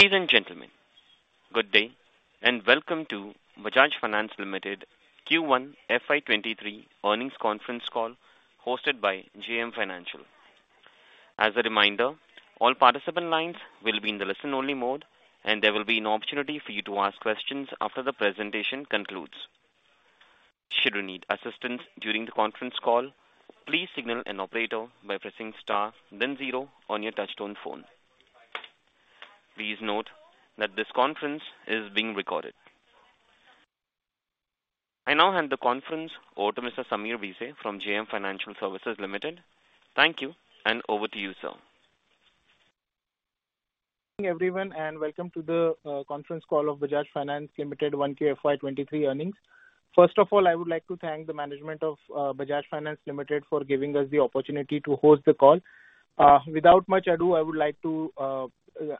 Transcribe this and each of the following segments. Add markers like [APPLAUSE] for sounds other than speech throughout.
Ladies and gentlemen, good day, and welcome to Bajaj Finance Ltd Q1 FY 2023 earnings conference call hosted by JM Financial. As a reminder, all participant lines will be in the listen-only mode, and there will be an opportunity for you to ask questions after the presentation concludes. Should you need assistance during the conference call, please signal an operator by pressing star then zero on your touchtone phone. Please note that this conference is being recorded. I now hand the conference over to Mr. Sameer Bhise from JM Financial Services Ltd. Thank you, and over to you, sir. Good evening, everyone, and welcome to the conference call of Bajaj Finance Limited 1Q FY 2023 earnings. First of all, I would like to thank the management of Bajaj Finance Ltd for giving us the opportunity to host the call. Without much ado, I would like to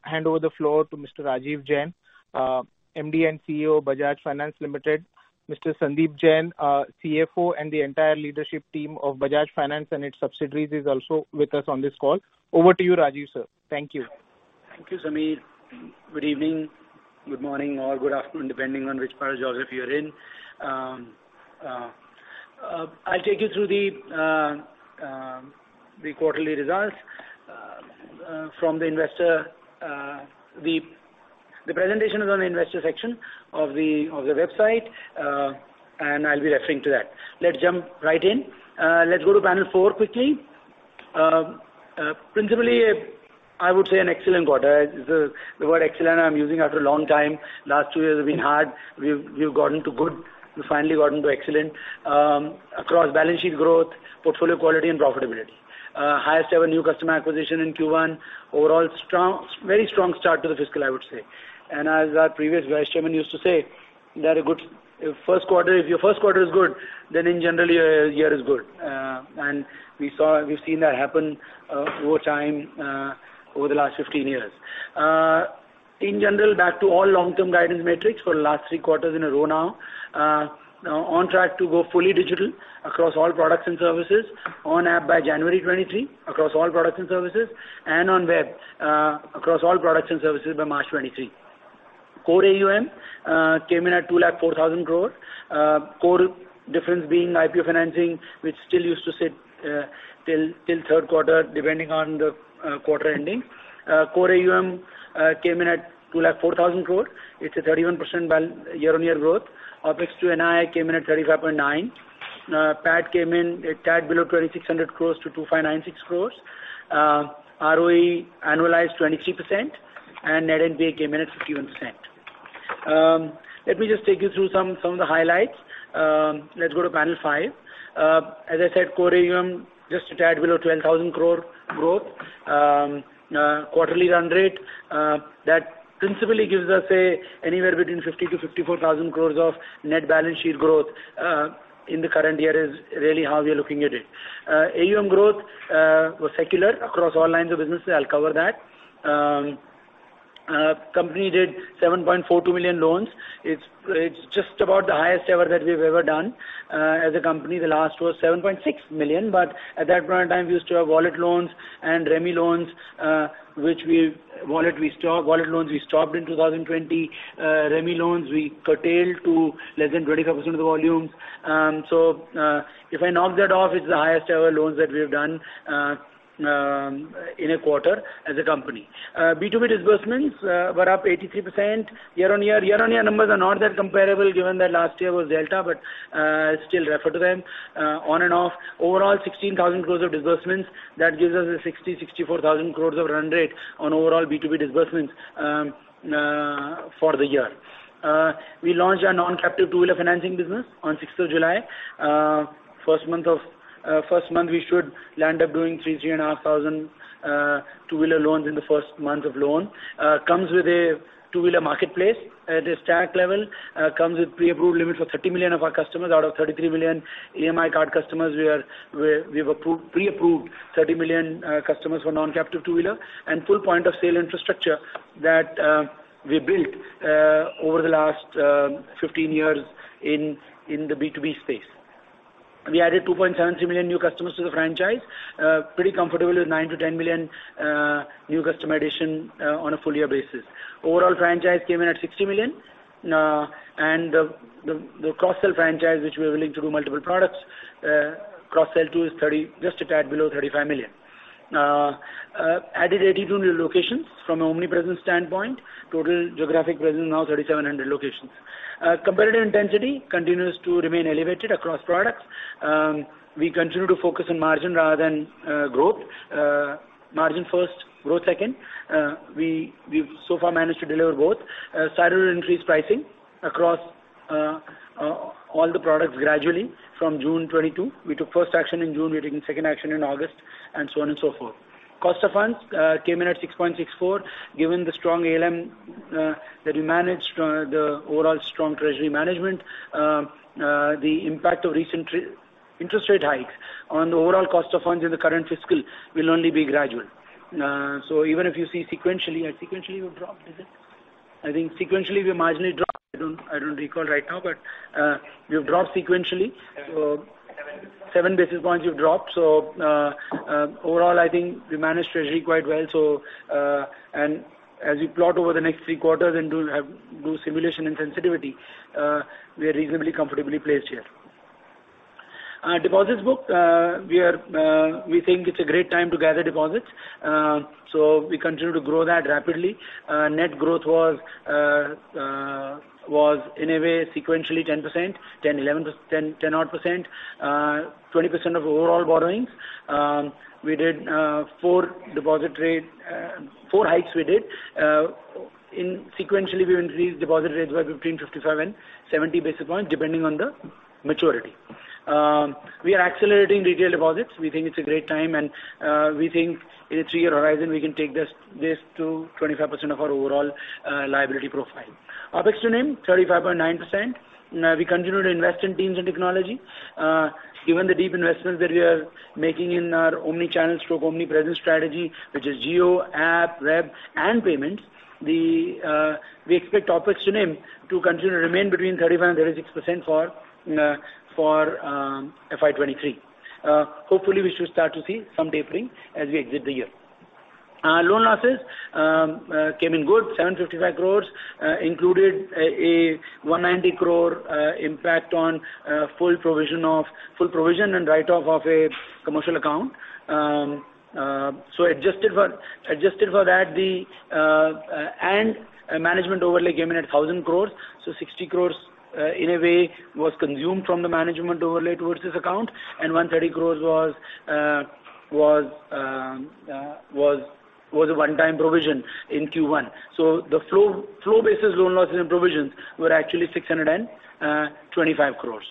hand over the floor to Mr. Rajeev Jain, MD and CEO of Bajaj Finance Ltd. Mr. Sandeep Jain, CFO, and the entire leadership team of Bajaj Finance and its subsidiaries is also with us on this call. Over to you, Rajeev, sir. Thank you. Thank you, Sameer. Good evening, good morning, or good afternoon, depending on which part of geography you're in. I'll take you through the quarterly results. The presentation is on the investor section of the website, and I'll be referring to that. Let's jump right in. Let's go to panel four quickly. Principally, I would say an excellent quarter. The word excellent I'm using after a long time. Last two years have been hard. We've gotten to good. We've finally gotten to excellent across balance sheet growth, portfolio quality and profitability. Highest ever new customer acquisition in Q1. Overall strong, very strong start to the fiscal, I would say. As our previous vice chairman used to say that a good first quarter, if your first quarter is good, then in general, your year is good. We've seen that happen over time over the last 15 years. In general, back to all long-term guidance metrics for the last three quarters in a row now. On track to go fully digital across all products and services, on app by January 2023, across all products and services, and on web across all products and services by March 2023. Core AUM came in at 204,000 crore. Core difference being IPO financing, which still used to sit till third quarter, depending on the quarter ending. Core AUM came in at 204,000 crore. It's a 31% year-on-year growth. OpEx to NII came in at 35.9. PAT came in a tad below 2,600 crore-2,596 crore. ROE annualized 23% and net NPA came in at 51%. Let me just take you through some of the highlights. Let's go to panel five. As I said, core AUM just a tad below 12,000 crore growth. Quarterly run rate that principally gives us anywhere between 50,000 crore-54,000 crore of net balance sheet growth in the current year is really how we are looking at it. AUM growth was secular across all lines of business. I'll cover that. Company did 7.42 million loans. It's just about the highest ever that we've ever done as a company. The last was 7.6 million, but at that point in time, we used to have wallet loans and REMI loans, which we've stopped. Wallet loans we stopped in 2020. REMI loans we curtailed to less than 25% of the volumes. If I knock that off, it's the highest ever loans that we have done in a quarter as a company. B2B disbursements were up 83% year-on-year. Year-on-year numbers are not that comparable given that last year was Delta, but still refer to them on and off. Overall, 16,000 crore of disbursements. That gives us a 60,000 crore-64,000 crore run rate on overall B2B disbursements for the year. We launched our non-captive two-wheeler financing business on July 6. First month we should land up doing 3,000 crore-3,500 crore two-wheeler loans in the first month of launch. Comes with a two-wheeler marketplace at a stack level. Comes with pre-approved limit for 30 million of our customers. Out of 33 million EMI Card customers, we've pre-approved 30 million customers for non-captive two-wheeler and full point-of-sale infrastructure that we built over the last 15 years in the B2B space. We added 2.73 million new customers to the franchise. Pretty comfortable with 9-10 million new customer addition on a full-year basis. Overall franchise came in at 60 million. The cross-sell franchise, which we are willing to do multiple products cross-sell to, is 30, just a tad below 35 million. Added 82 new locations from an omnipresent standpoint. Total geographic presence now 3,700 locations. Competitive intensity continues to remain elevated across products. We continue to focus on margin rather than growth. Margin first, growth second. We've so far managed to deliver both. Started increasing pricing across all the products gradually from June 2022. We took first action in June. We're taking second action in August, and so on and so forth. Cost of funds came in at 6.64%. Given the strong ALM that we managed, the overall strong treasury management, the impact of recent interest rate hikes on the overall cost of funds in the current fiscal will only be gradual. Even if you see sequentially, we've dropped, is it? I think sequentially we've marginally dropped. I don't recall right now, but we've dropped sequentially. 7 basis points you've dropped. Overall, I think we managed treasury quite well. As we plot over the next three quarters and do simulation and sensitivity, we are reasonably comfortably placed here. Our deposits book, we think it's a great time to gather deposits. We continue to grow that rapidly. Net growth was in a way sequentially 10%-11%, 10 odd percent, 20% of overall borrowings. We did four deposit rate hikes. Sequentially, we increased deposit rates by between 55 and 70 basis points, depending on the maturity. We are accelerating retail deposits. We think it's a great time, and we think in a three-year horizon, we can take this to 25% of our overall liability profile. OpEx to NIM, 35.9%. Now we continue to invest in teams and technology. Given the deep investments that we are making in our omni-channel/omnipresence strategy, which is Geo, app, web, and payments, we expect OpEx to NIM to continue to remain between 35% and 36% for FY 2023. Hopefully, we should start to see some tapering as we exit the year. Our loan losses came in good. 755 crore included a 190 crore impact on full provision and write-off of a commercial account. Adjusted for that, the management overlay came in at 1,000 crore. 60 crore in a way was consumed from the management overlay towards this account, and 130 crore was a one-time provision in Q1. The flow basis loan losses and provisions were actually 625 crore.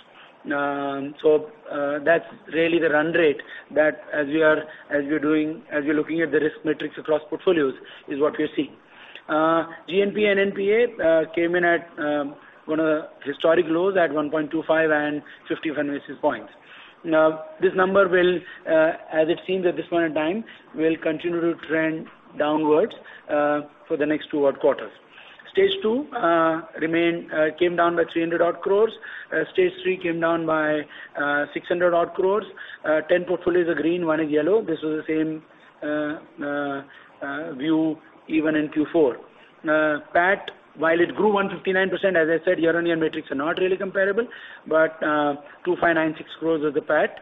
That's really the run rate that as we're looking at the risk metrics across portfolios is what we're seeing. GNPA and NPA came in at one of the historic lows at 1.25 and 55 basis points. This number will, as it seems at this point in time, continue to trend downwards for the next two-odd quarters. Stage two came down by 300-odd crores. Stage three came down by 600-odd crores. 10 portfolios are green, one is yellow. This was the same view even in Q4. PAT, while it grew 159%, as I said, year-on-year metrics are not really comparable, but 2,596 crores was the PAT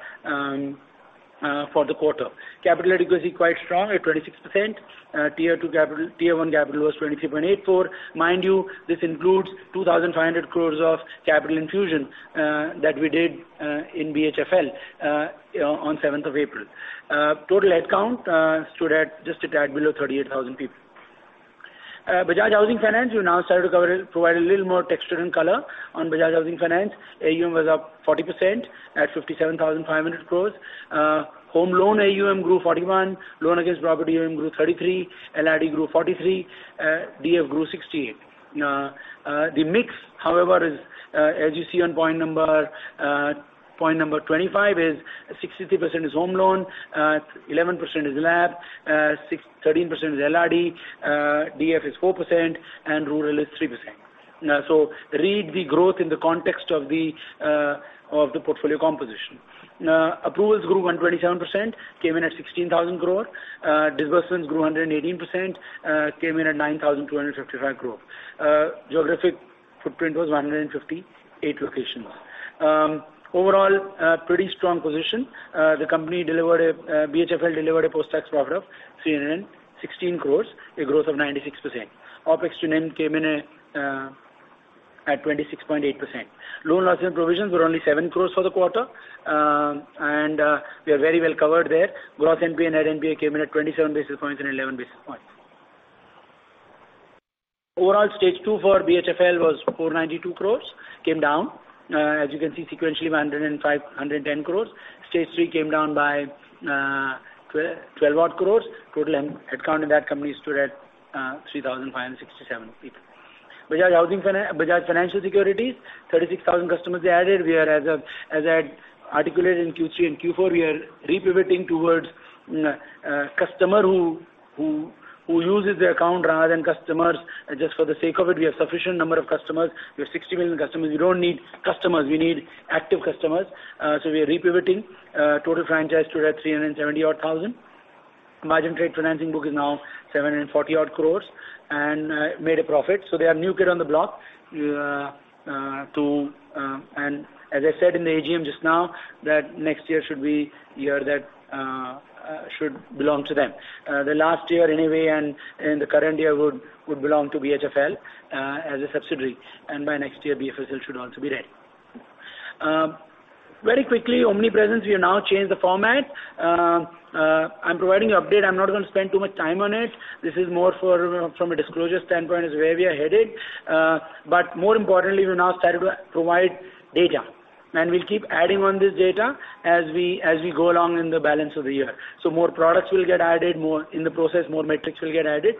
for the quarter. Capital adequacy quite strong at 26%. Tier two capital, tier one capital was 23.84. Mind you, this includes 2,500 crores of capital infusion that we did in BHFL, you know, on seventh of April. Total headcount stood at just a tad below 38,000 people. Bajaj Housing Finance, we now started to cover, provide a little more texture and color on Bajaj Housing Finance. AUM was up 40% at 57,500 crores. Home loan AUM grew 41%. Loan against property AUM grew 33%. LRD grew 43%. DF grew 68%. The mix, however, is as you see on point number 25, 63% home loan, 11% LAP, 13% LRD, 4% DF, and 3% rural. So read the growth in the context of the portfolio composition. Approvals grew 127%, came in at 16,000 crore. Disbursements grew 118%, came in at 9,255 crore. Geographic footprint was 158 locations. Overall, a pretty strong position. BHFL delivered a post-tax profit of 316 crore, a growth of 96%. OpEx to NIM came in at 26.8%. Loan losses and provisions were only 7 crore for the quarter, and we are very well covered there. Gross NPA, net NPA came in at 27 basis points and 11 basis points. Overall, stage two for BHFL was 492 crore, came down. As you can see sequentially, 105 crore-110 crore. Stage three came down by 12 odd crore. Total end headcount in that company stood at 3,567 people. Bajaj Financial Securities, 36,000 customers they added. As I had articulated in Q3 and Q4, we are re-pivoting towards customer who uses the account rather than customers just for the sake of it. We have sufficient number of customers. We have 60 million customers. We don't need customers. We need active customers. We are re-pivoting. Total franchise stood at 370-odd thousand. Margin trade financing book is now 740-odd crore and made a profit. They are new kid on the block, and as I said in the AGM just now, that next year should be year that should belong to them. The last year anyway and the current year would belong to BHFL as a subsidiary, and by next year, BFSL should also be ready. Very quickly, omnipresence, we have now changed the format. I'm providing you an update. I'm not gonna spend too much time on it. This is more for from a disclosure standpoint where we are headed. More importantly, we've now started to provide data, and we'll keep adding on this data as we go along in the balance of the year. More products will get added more in the process, more metrics will get added.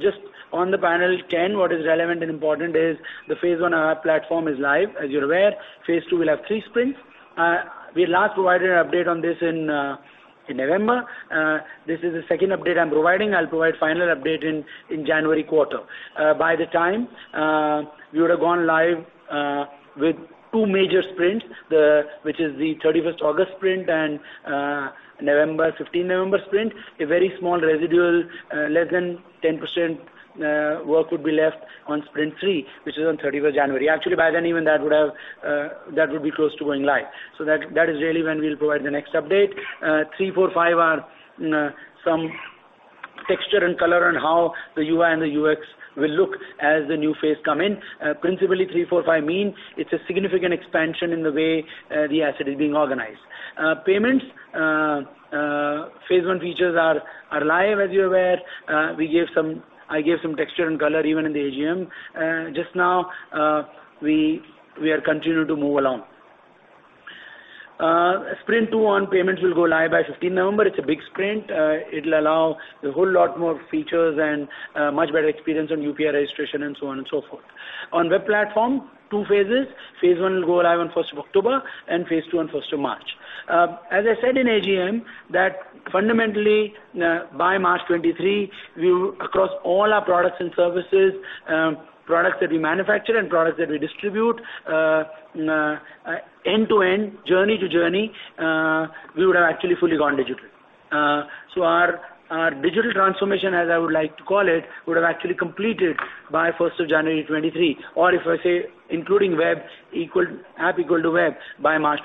Just on the panel ten, what is relevant and important is the phase one platform is live, as you're aware. Phase two will have three sprints. We last provided an update on this in November. This is the second update I'm providing. I'll provide final update in January quarter. By the time we would have gone live with two major sprints, which is the 31st August sprint and November 15th November sprint, a very small residual less than 10% work would be left on sprint three, which is on 31st January. Actually, by then, even that would be close to going live. That is really when we'll provide the next update. Three, four, five are some texture and color on how the UI and the UX will look as the new phase come in. Principally, three, four, five mean it's a significant expansion in the way the asset is being organized. Payments phase one features are live, as you're aware. I gave some texture and color even in the AGM. Just now, we are continuing to move along. Sprint two on payments will go live by 15th November. It's a big sprint. It'll allow a whole lot more features and much better experience on UPI registration and so on and so forth. On web platform, two phases. Phase one will go live on 1st of October and phase two on 1st of March. As I said in AGM, that fundamentally, by March 2023, we will across all our products and services, products that we manufacture and products that we distribute, end-to-end, journey to journey, we would have actually fully gone digital. Our digital transformation, as I would like to call it, would have actually completed by first of January 2023, or if I say including app equal to web by March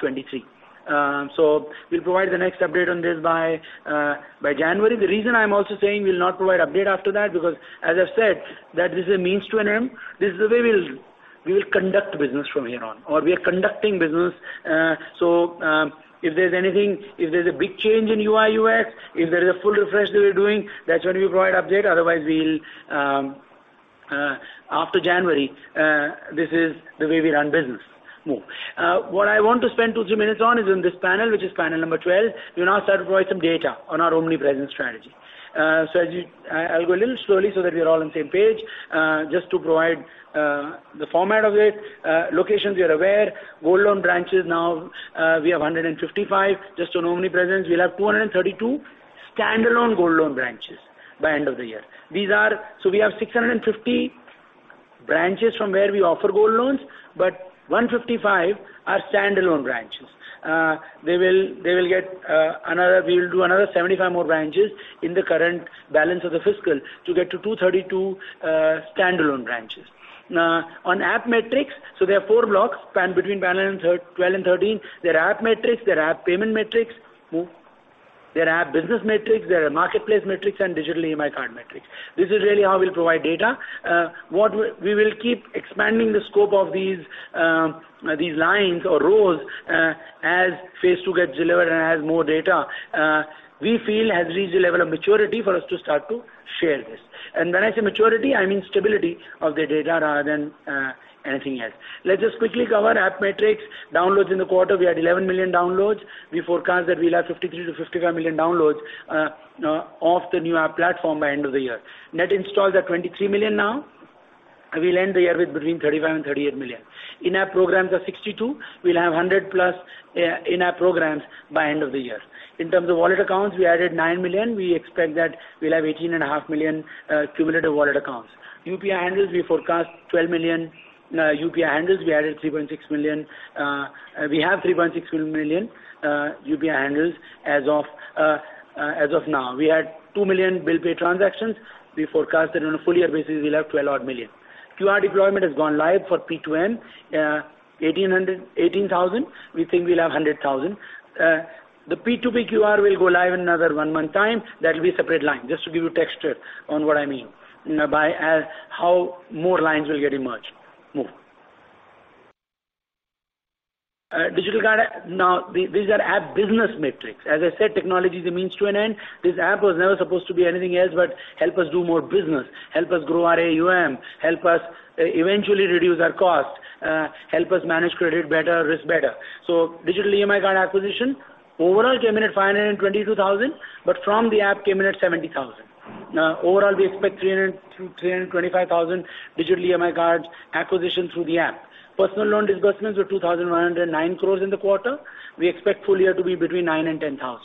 2023. We'll provide the next update on this by January. The reason I'm also saying we'll not provide update after that, because as I've said, that this is a means to an end. This is the way we will conduct business from here on, or we are conducting business. If there's a big change in UI, UX, if there is a full refresh that we're doing, that's when we provide update. Otherwise, after January, this is the way we run business. Move. What I want to spend two to three minutes on is in this panel, which is panel number 12. We now start to provide some data on our omnipresence strategy. I'll go a little slowly so that we're all on the same page. Just to provide the format of it, locations you're aware. Gold loan branches now, we have 155. Just on omnipresence, we'll have 232 standalone gold loan branches by end of the year. These are. We have 650 branches from where we offer gold loans, but 155 are standalone branches. They will get another. We will do another 75 more branches in the current balance of the fiscal to get to 232 standalone branches. Now, on app metrics, there are four blocks between Panel 12 and 13. There are app metrics, there are app payment metrics. More. There are app business metrics, there are marketplace metrics, and digital EMI Card metrics. This is really how we'll provide data. What we will keep expanding the scope of these lines or rows as phase two gets delivered and has more data, we feel has reached a level of maturity for us to start to share this. When I say maturity, I mean stability of the data rather than anything else. Let's just quickly cover app metrics. Downloads in the quarter, we had 11 million downloads. We forecast that we'll have 53-55 million downloads of the new app platform by end of the year. Net installs are 23 million now. We'll end the year with between 35 and 38 million. In-app programs are 62. We'll have 100+ in-app programs by end of the year. In terms of wallet accounts, we added 9 million. We expect that we'll have 18.5 million cumulative wallet accounts. UPI handles, we forecast 12 million UPI handles. We added 3.6 million. We have 3.6 million UPI handles as of now. We had 2 million bill pay transactions. We forecast that on a full-year basis, we'll have 12 odd million. QR deployment has gone live for P2N, 18,000. We think we'll have 100,000. The P2P QR will go live in another one-month time. That will be a separate line, just to give you texture on what I mean by as to how more lines will get emerged. Moving to digital card. Now, these are app business metrics. As I said, technology is a means to an end. This app was never supposed to be anything else but help us do more business, help us grow our AUM, help us eventually reduce our cost, help us manage credit better, risk better. Digital EMI card acquisition overall came in at 522,000, but from the app came in at 70,000. Now, overall, we expect 300-325,000 digital EMI card acquisition through the app. Personal loan disbursements were 2,109 crore in the quarter. We expect full-year to be between 9,000 crore and 10,000 crore.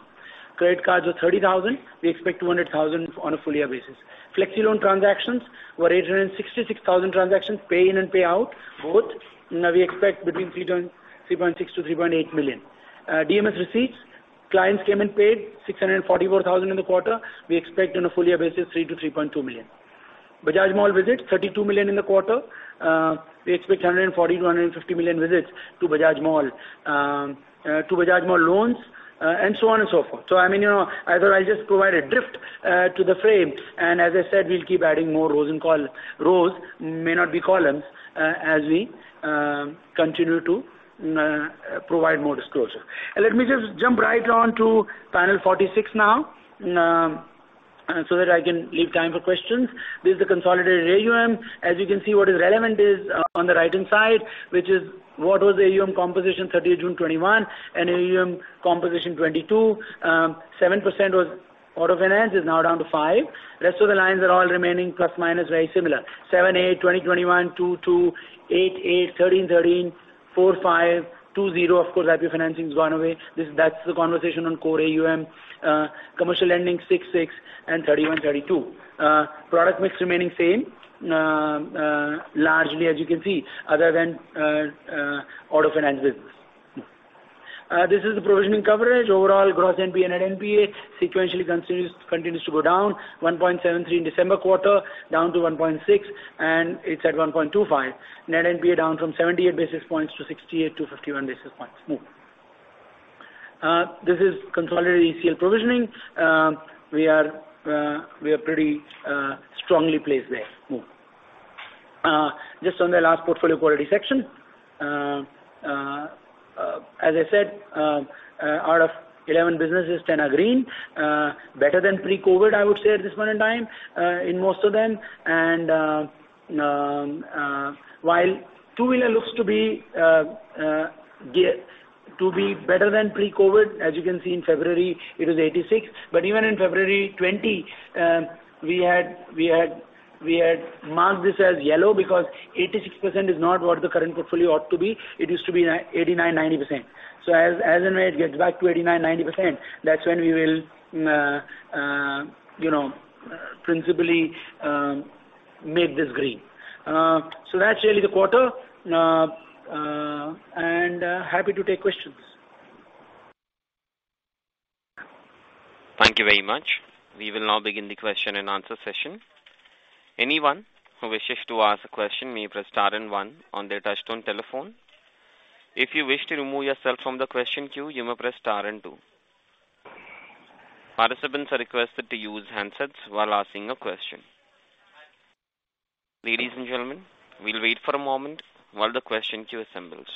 Credit cards were 30,000. We expect 200,000 on a full-year basis. Flexi Loan transactions were 866,000 transactions, pay in and pay out, both. Now we expect between 3.6-3.8 million. DMS receipts, clients came and paid 644,000 in the quarter. We expect on a full-year basis, 3-3.2 million. Bajaj Mall visits, 32 million in the quarter. We expect 140-150 million visits to Bajaj Mall to Bajaj Mall loans, and so on and so forth. I mean, you know, either I'll just provide a drift to the frame, and as I said, we'll keep adding more rows, may not be columns, as we continue to provide more disclosure. Let me just jump right on to panel 46 now, so that I can leave time for questions. This is the consolidated AUM. As you can see, what is relevant is on the right-hand side, which is what was the AUM composition 30th June 2021 and AUM composition 2022. 7% was auto finance is now down to 5%. Rest of the lines are all remaining plus minus very similar. 7%, 8%, 20%, 21%, 2%, 8%, 13%, 4%, 5%, 2%, zero percent. Of course, IP financing's gone away. That's the conversation on core AUM. Commercial lending, 6%, and 31, 32. Product mix remaining same, largely as you can see, other than auto finance business. This is the provisioning coverage. Overall, Gross NPA, Net NPA sequentially continues to go down. 1.73 in December quarter, down to 1.6, and it's at 1.25. Net NPA down from 78 basis points to 68 to 51 basis points. Move. This is consolidated ECL provisioning. We are pretty strongly placed there. Move. Just on the last portfolio quality section. As I said, out of 11 businesses, 10 are green. Better than pre-COVID, I would say at this point in time, in most of them. While two-wheeler looks to be better than pre-COVID, as you can see in February, it was 86. But even in February 2020, we had marked this as yellow because 86% is not what the current portfolio ought to be. It used to be 89%-90%. As and when it gets back to 89%-90%, that's when we will, you know, principally, make this green. That's really the quarter. Happy to take questions. Thank you very much. We will now begin the question and answer session. Anyone who wishes to ask a question may press star and one on their touchtone telephone. If you wish to remove yourself from the question queue, you may press star and two. Participants are requested to use handsets while asking a question. Ladies and gentlemen, we'll wait for a moment while the question queue assembles.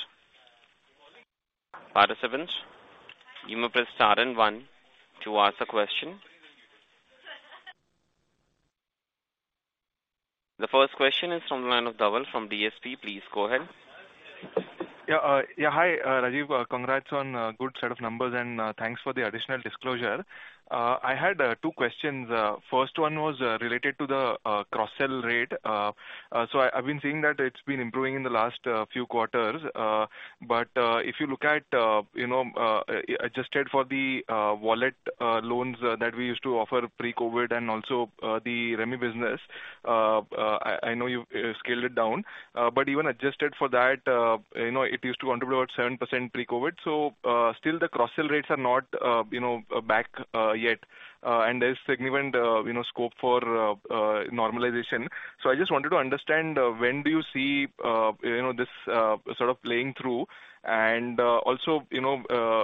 Participants, you may press star and one to ask a question. The first question is from. [AUDIO DISTORTION] Please go ahead. Hi, Rajeev. Congrats on a good set of numbers, and thanks for the additional disclosure. I had two questions. First one was related to the cross-sell rate. I've been seeing that it's been improving in the last few quarters. If you look at, you know, adjusted for the wallet loans that we used to offer pre-COVID and also the REMI business, I know you scaled it down. Even adjusted for that, you know, it used to contribute about 7% pre-COVID. Still the cross-sell rates are not, you know, back yet. There's significant, you know, scope for normalization. I just wanted to understand, when do you see, you know, this, sort of playing through? Also, you know,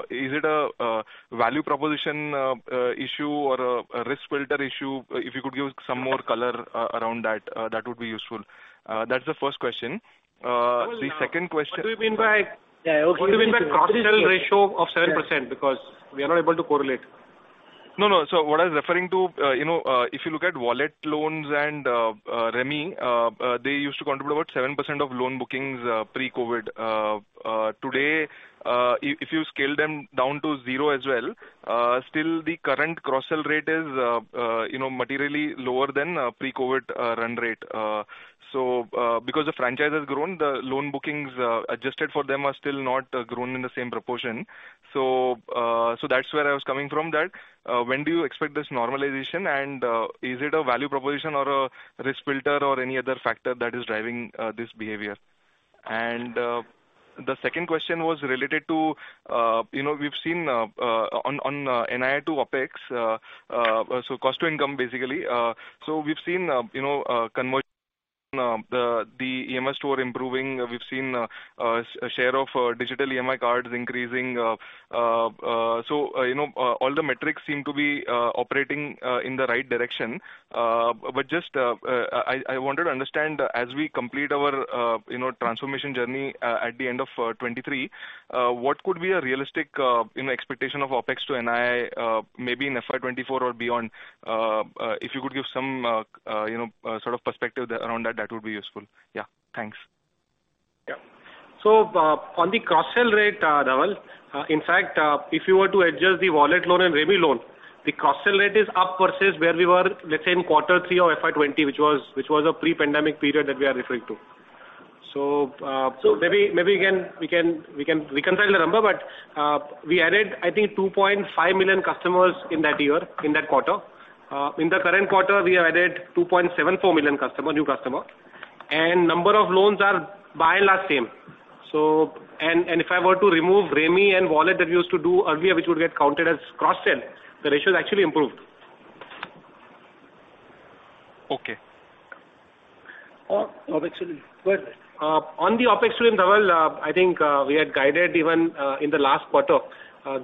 is it a value proposition issue or a risk filter issue? If you could give some more color around that would be useful. That's the first question. The second question What do you mean by? Yeah. Okay. What do you mean by cross-sell ratio of 7%? Because we are not able to correlate. No, no. What I was referring to, you know, if you look at wallet loans and REMI, they used to contribute about 7% of loan bookings, pre-COVID. Today, if you scale them down to zero as well, still the current cross-sell rate is, you know, materially lower than, pre-COVID run rate. That's where I was coming from that, when do you expect this normalization? And, is it a value proposition or a risk filter or any other factor that is driving, this behavior? The second question was related to, you know, we've seen on NII to OpEx, so cost to income, basically. So we've seen, you know, conversion, the EMI tool improving. We've seen share of digital EMI cards increasing. So, you know, all the metrics seem to be operating in the right direction. But just, I wanted to understand as we complete our, you know, transformation journey, at the end of 2023, what could be a realistic, you know, expectation of OpEx to NII, maybe in FY 2024 or beyond? If you could give some, you know, sort of perspective around that would be useful. Yeah. Thanks. Yeah. On the cross-sell rate, Jain, in fact, if you were to adjust the wallet loan and REMI loan, the cross-sell rate is up versus where we were, let's say in quarter three of FY 2020, which was a pre-pandemic period that we are referring to. Maybe again, we can reconcile the number, but we added, I think, 2.5 million customers in that year, in that quarter. In the current quarter, we added 2.74 million new customers. Number of loans are by and large same. If I were to remove REMI and wallet that we used to do earlier, which would get counted as cross-sell, the ratio has actually improved. Okay. OpEx will. Go ahead. On the OpEx to Jain, I think we had guided even in the last quarter.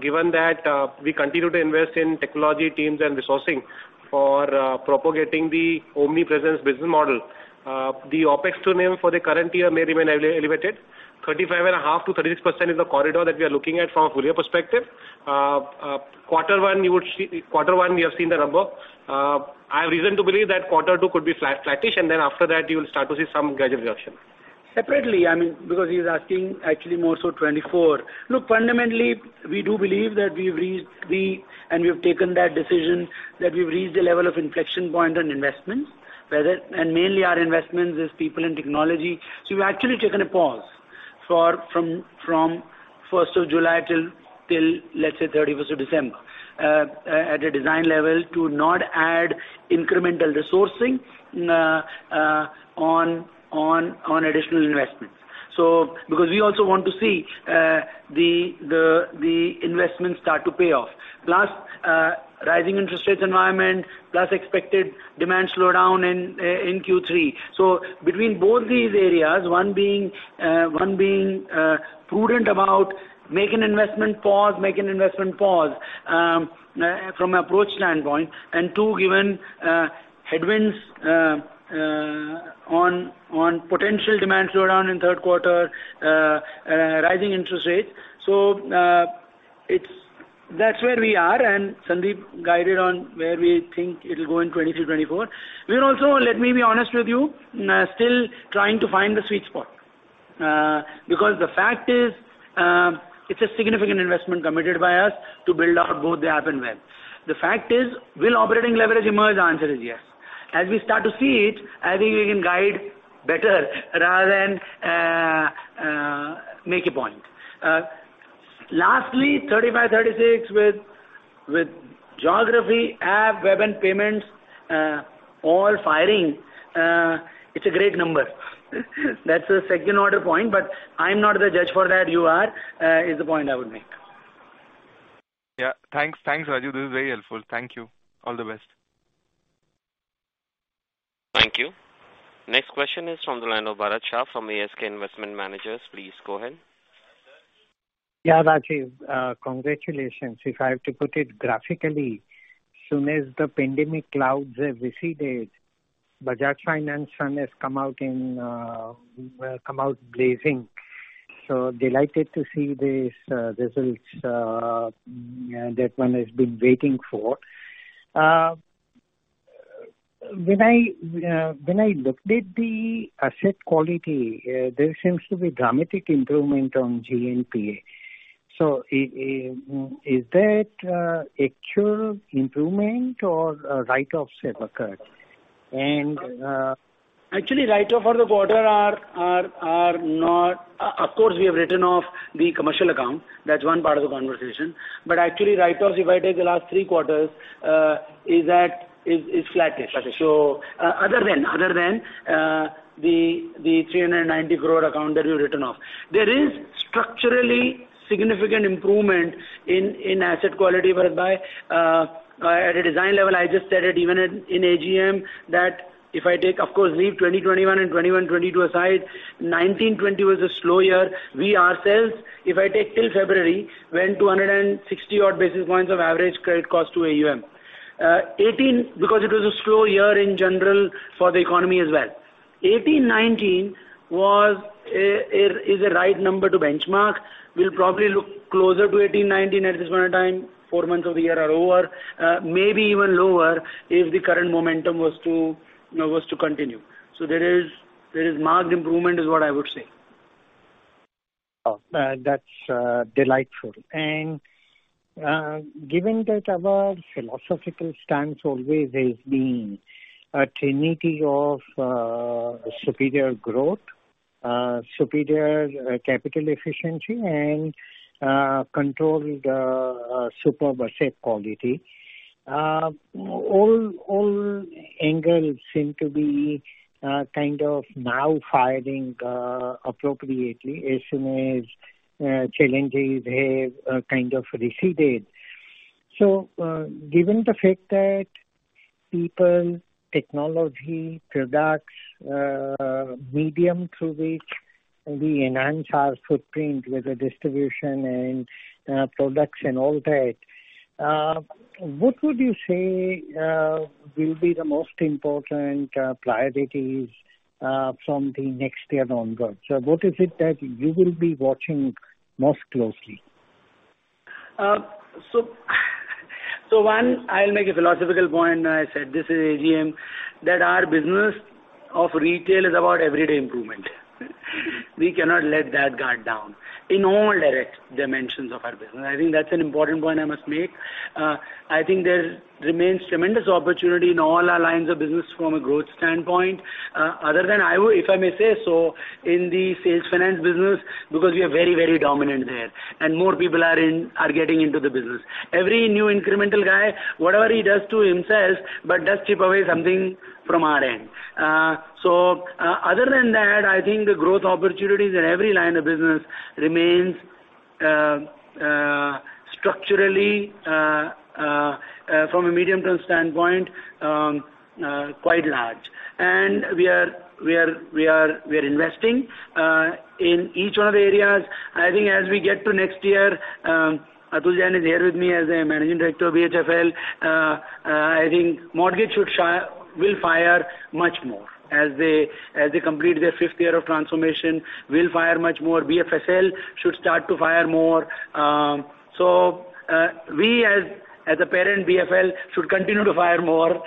Given that we continue to invest in technology teams and resourcing for propagating the omnipresence business model, the OpEx to NIM for the current year may remain elevated. 35.5%-36% is the corridor that we are looking at from a full-year perspective. Quarter one, you would see. Quarter one, we have seen the number. I have reason to believe that quarter two could be flattish, and then after that you will start to see some gradual reduction. Separately, I mean, because he's asking actually more so 2024. Look, fundamentally, we do believe that we've reached a level of inflection point on investments. We have taken that decision. Mainly our investments is people and technology. We've actually taken a pause from 1st of July till 31st of December at a design level to not add incremental resourcing on additional investments. Because we also want to see the investment start to pay off. Plus, rising interest rates environment, plus expected demand slowdown in Q3. Between both these areas, one being prudent about make an investment pause from approach standpoint, and two, given headwinds on potential demand slowdown in third quarter, rising interest rates. That's where we are, and Sandeep guided on where we think it'll go in 2023, 2024. We're also, let me be honest with you, still trying to find the sweet spot. Because the fact is, it's a significant investment committed by us to build out both the app and web. The fact is, will operating leverage emerge? The answer is yes. As we start to see it, I think we can guide better rather than make a point. Lastly, 35, 36 with geography, app, web, and payments all firing, it's a great number. That's a second-order point, but I'm not the judge for that, you are. Is the point I would make. Yeah. Thanks. Thanks, Raju. This is very helpful. Thank you. All the best. Thank you. Next question is from the line of Bharat Shah from ASK Investment Managers. Please go ahead. Yeah, Rajeev, congratulations. If I have to put it graphically, soon as the pandemic clouds have receded, Bajaj Finance sun has come out blazing. Delighted to see these results that one has been waiting for. When I looked at the asset quality, there seems to be dramatic improvement on GNPA. Is that actual improvement or write-offs have occurred? Actually, write-off for the quarter are not. Of course, we have written off the commercial account. That's one part of the conversation. Actually write-offs, if I take the last three quarters, is at flattish. Flattish. Other than the 390 crore account that we've written off. There is structurally significant improvement in asset quality whereby at a design level, I just said it even in AGM that if I take, of course, leave 2021 and 2022 aside, 2019/2020 was a slow year. We ourselves, if I take till February, went 260 odd basis points of average credit cost to AUM. Because it was a slow year in general for the economy as well. 2018/2019 is a right number to benchmark. We'll probably look closer to 2018/2019 at this point in time. Four months of the year are over. Maybe even lower if the current momentum was to continue. There is marked improvement is what I would say. Oh, that's delightful. Given that our philosophical stance always has been a trinity of superior growth, superior capital efficiency and controlled superb asset quality, all angles seem to be kind of now firing appropriately as soon as challenges have kind of receded. Given the fact that people, technology, products, medium through which we enhance our footprint with the distribution and products and all that, what would you say will be the most important priorities from the next year onwards? What is it that you will be watching most closely? One, I'll make a philosophical point. I said this in AGM that our business of retail is about everyday improvement. We cannot let that guard down in all direct dimensions of our business. I think that's an important point I must make. I think there remains tremendous opportunity in all our lines of business from a growth standpoint. Other than I would, if I may say so, in the sales finance business because we are very, very dominant there, and more people are getting into the business. Every new incremental guy, whatever he does to himself, but does chip away something from our end. Other than that, I think the growth opportunities in every line of business remains structurally from a medium-term standpoint quite large. We are investing in each one of the areas. I think as we get to next year, Atul Jain is here with me as Managing Director of BHFL. I think mortgage will fire much more. As they complete their fifth year of transformation, will fire much more. BFSL should start to fire more. We as a parent, BFL, should continue to fire more.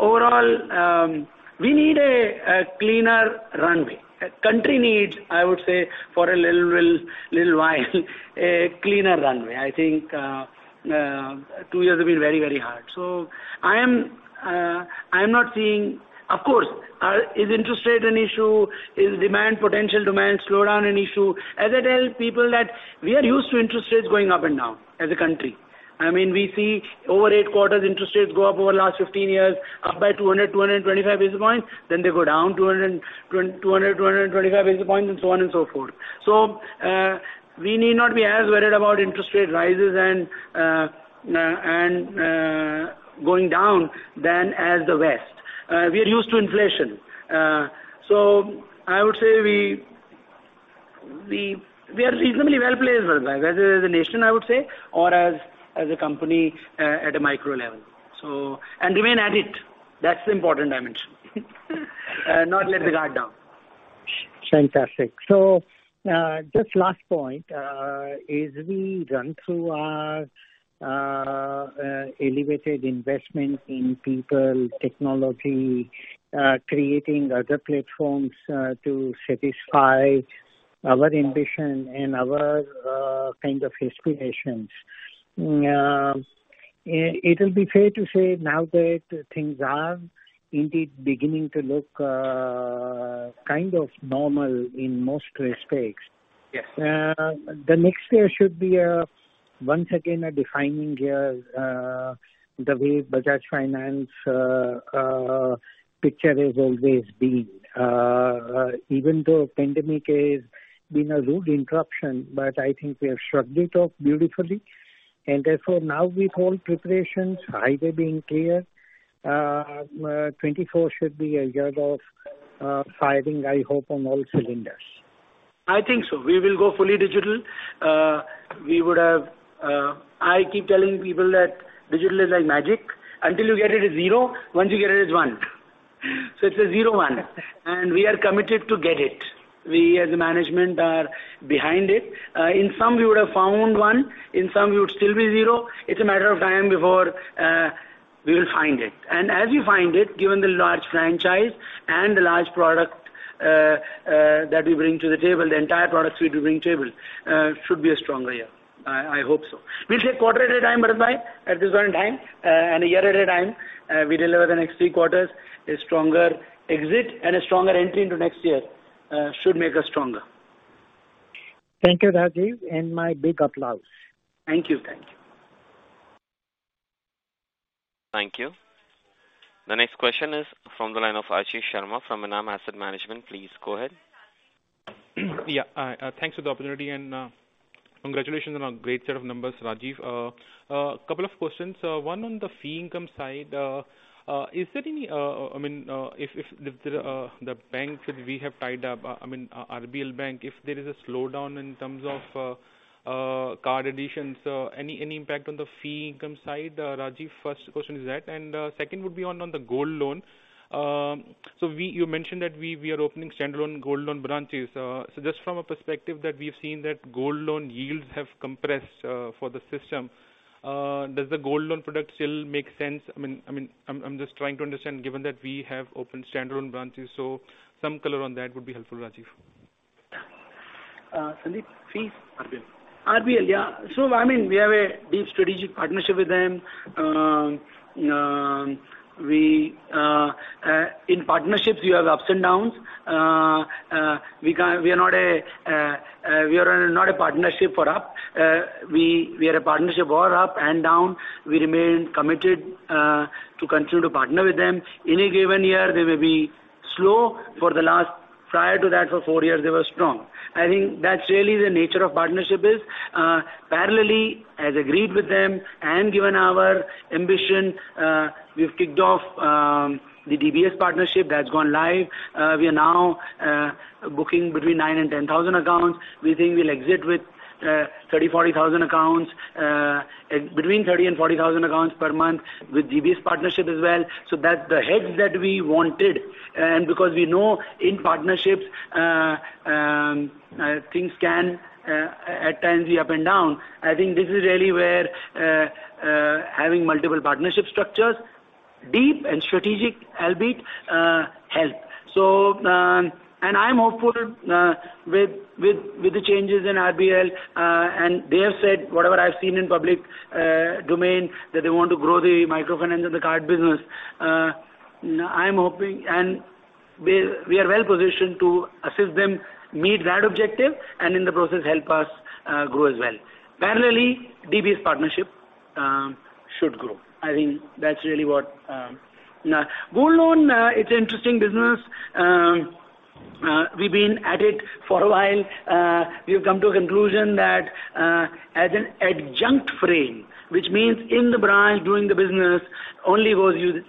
Overall, we need a cleaner runway. A country needs, I would say, for a little while, a cleaner runway. I think two years have been very hard. I am not seeing. Of course, is interest rate an issue? Is demand, potential demand slowdown an issue? I tell people that we are used to interest rates going up and down as a country. I mean, we see over eight quarters interest rates go up over the last 15 years up by 225 basis points, then they go down 225 basis points and so on and so forth. We need not be as worried about interest rate rises and going down than as the West. We are used to inflation. I would say we are reasonably well placed, Varadrai, whether as a nation, I would say, or as a company at a micro level, and remain at it. That's the important dimension. Not let the guard down. Fantastic. Just last point, as we run through our elevated investment in people, technology, creating other platforms, to satisfy our ambition and our kind of aspirations. It will be fair to say now that things are indeed beginning to look kind of normal in most respects. Yes. The next year should be once again a defining year, the way Bajaj Finance picture has always been. Even though pandemic has been a rude interruption, but I think we have shrugged it off beautifully. Therefore, now with all preparations highway being clear, 2024 should be a year of firing, I hope, on all cylinders. I think so. We will go fully digital. I keep telling people that digital is like magic, until you get it's zero. Once you get it's one. It's a zero one. We are committed to get it. We as a management are behind it. In some, we would have found one. In some, we would still be zero. It's a matter of time before we will find it. As we find it, given the large franchise and the large product that we bring to the table, the entire products we do bring to table should be a stronger year. I hope so. We'll take quarter at a time, Varadrai, at this point in time, and a year at a time. We deliver the next three quarters a stronger exit and a stronger entry into next year. Should make us stronger. Thank you, Rajeev, and my big applause. Thank you. Thank you. Thank you. The next question is from the line of Archit Sharma from Assam Asset Management. Please go ahead. Yeah. Thanks for the opportunity and congratulations on a great set of numbers, Rajeev. A couple of questions. One on the fee income side. Is there any, I mean, if the bank that we have tied up, I mean, RBL Bank, if there is a slowdown in terms of card additions, any impact on the fee income side? Rajeev, first question is that. Second would be on the gold loan. You mentioned that we are opening standalone gold loan branches. Just from a perspective that we've seen that gold loan yields have compressed for the system, does the gold loan product still make sense? I mean, I'm just trying to understand, given that we have opened standalone branches. Some color on that would be helpful, Rajeev. Sandeep, fees? RBL. RBL, yeah. I mean, we have a deep strategic partnership with them. In partnerships, we have ups and downs. We are not a partnership for up. We are a partnership for up and down. We remain committed to continue to partner with them. In a given year, they may be slow. Prior to that, for four years, they were strong. I think that's really the nature of partnership is. Parallelly, as agreed with them and given our ambition, we've kicked off the DBS partnership. That's gone live. We are now booking between 9,000 and 10,000 accounts. We think we'll exit with 30,000-40,000 accounts, between 30,000 and 40,000 accounts per month with DBS partnership as well. That's the hedge that we wanted, and because we know in partnerships, things can, at times be up and down. I think this is really where having multiple partnership structures, deep and strategic, albeit, help. I'm hopeful with the changes in RBL Bank, and they have said, whatever I've seen in public domain, that they want to grow the microfinance and the card business. I'm hoping and we are well-positioned to assist them meet that objective and in the process help us grow as well. Parallelly, DBS Bank partnership should grow. I think that's really what. Now, Gold loan, it's interesting business. We've been at it for a while. We have come to a conclusion that, as an adjunct frame, which means in the branch doing the business only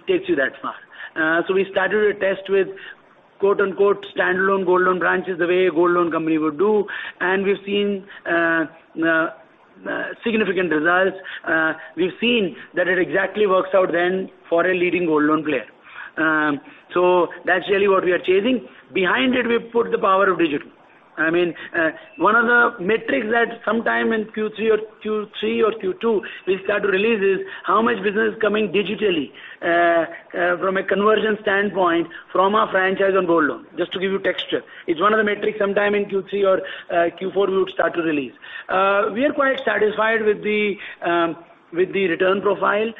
takes you that far. We started a test with "standalone gold loan branches" the way a gold loan company would do, and we've seen significant results. We've seen that it exactly works out then for a leading gold loan player. That's really what we are chasing. Behind it, we put the power of digital. I mean, one of the metrics that sometime in Q3 or Q2 we'll start to release is how much business is coming digitally from a conversion standpoint from our franchise on gold loan, just to give you texture. It's one of the metrics sometime in Q3 or Q4 we would start to release. We are quite satisfied with the return profile.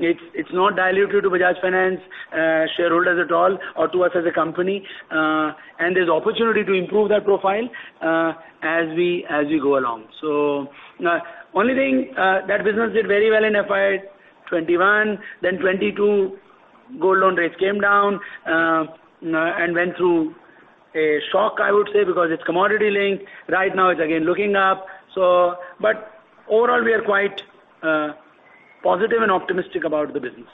It's not dilutive to Bajaj Finance shareholders at all or to us as a company. There's opportunity to improve that profile as we go along. Only thing that business did very well in FY 2021, then 2022. Gold loan rates came down and went through a shock, I would say, because it's commodity linked. Right now it's again looking up. Overall, we are quite positive and optimistic about the business.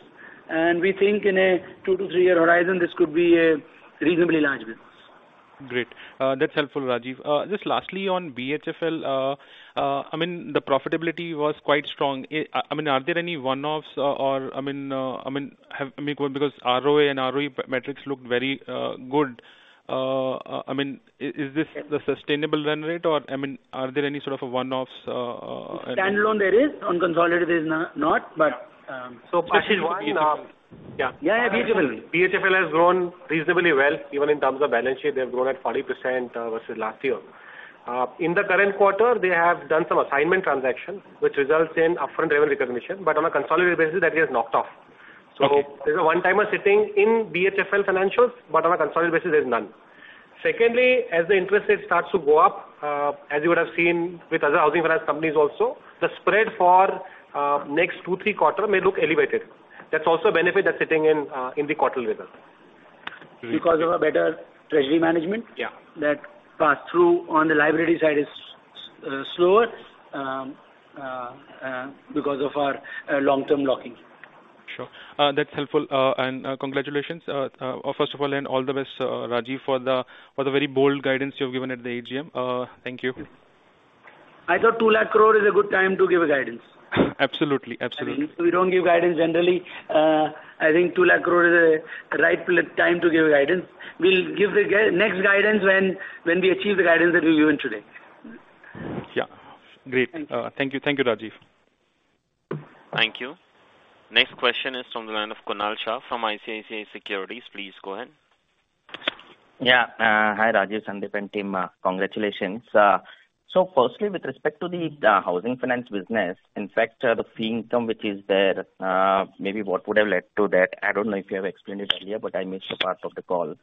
We think in a two to three-year horizon, this could be a reasonably large business. Great. That's helpful, Rajeev. Just lastly, on BHFL, I mean, the profitability was quite strong. I mean, are there any one-offs or, I mean, because ROA and ROE metrics looked very good. I mean, is this the sustainable run rate or, I mean, are there any sort of one-offs. Standalone, there is. On consolidated, is not but. First is one. Yeah, BHFL. BHFL has grown reasonably well, even in terms of balance sheet. They have grown at 40%, versus last year. In the current quarter, they have done some assignment transactions, which results in upfront revenue recognition. On a consolidated basis, that is knocked off. Okay. There's a one-timer sitting in BHFL financials, but on a consolidated basis, there's none. Secondly, as the interest rate starts to go up, as you would have seen with other housing finance companies also, the spread for next two, three quarter may look elevated. That's also a benefit that's sitting in the quarter results. Because of a better treasury management. Yeah. That pass-through on the liability side is slower, because of our long-term locking. Sure. That's helpful. Congratulations, first of all, and all the best, Rajeev, for the very bold guidance you've given at the AGM. Thank you. I thought 200,000 crore is a good time to give a guidance. Absolutely. Absolutely. I mean, we don't give guidance generally. I think 2 lakh crore is a right time to give a guidance. We'll give the next guidance when we achieve the guidance that we've given today. Yeah. Great. Thank you. Thank you. Thank you, Rajeev. Thank you. Next question is from the line of Kunal Shah from ICICI Securities. Please go ahead. Yeah. Hi, Rajeev, Sandeep, and team. Congratulations. Firstly, with respect to the housing finance business, in fact, the fee income, which is there, maybe what would have led to that? I don't know if you have explained it earlier, but I missed a part of the call.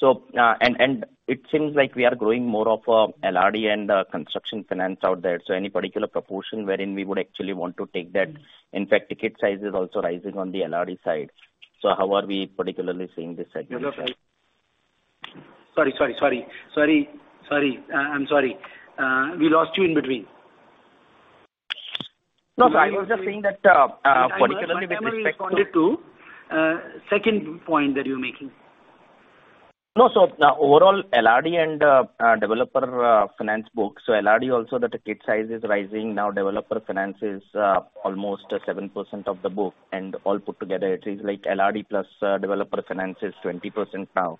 It seems like we are growing more of LRD and construction finance out there. Any particular proportion wherein we would actually want to take that. In fact, ticket size is also rising on the LRD side. How are we particularly seeing this segment? Sorry. I'm sorry. We lost you in between. No, I was just saying that, particularly with respect to. I responded to second point that you're making. No. Overall LRD and developer finance book. LRD also the ticket size is rising. Now developer finance is almost 7% of the book. All put together it is like LRD plus developer finance is 20% now.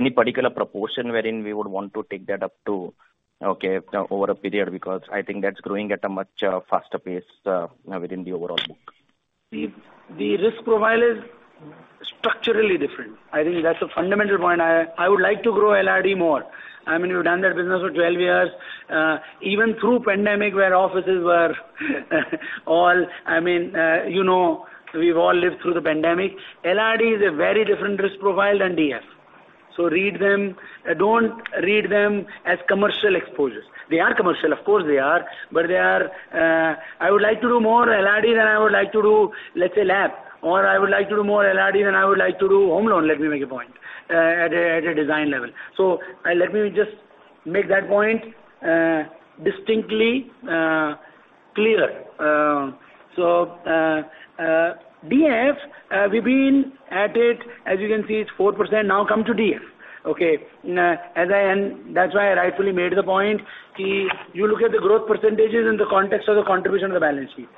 Any particular proportion wherein we would want to take that up to, okay, over a period, because I think that's growing at a much faster pace within the overall book. The risk profile is structurally different. I think that's a fundamental point. I would like to grow LRD more. I mean, we've done that business for 12 years, even through pandemic. I mean, you know, we've all lived through the pandemic. LRD is a very different risk profile than DF. Read them. Don't read them as commercial exposures. They are commercial, of course they are, but they are. I would like to do more LRD than I would like to do, let's say, LAP. Or I would like to do more LRD than I would like to do home loan, let me make a point at a design level. Let me just make that point distinctly clear. DF, we've been at it, as you can see, it's 4% now, come to DF. Okay. That's why I rightfully made the point. You look at the growth percentages in the context of the contribution of the balance sheet.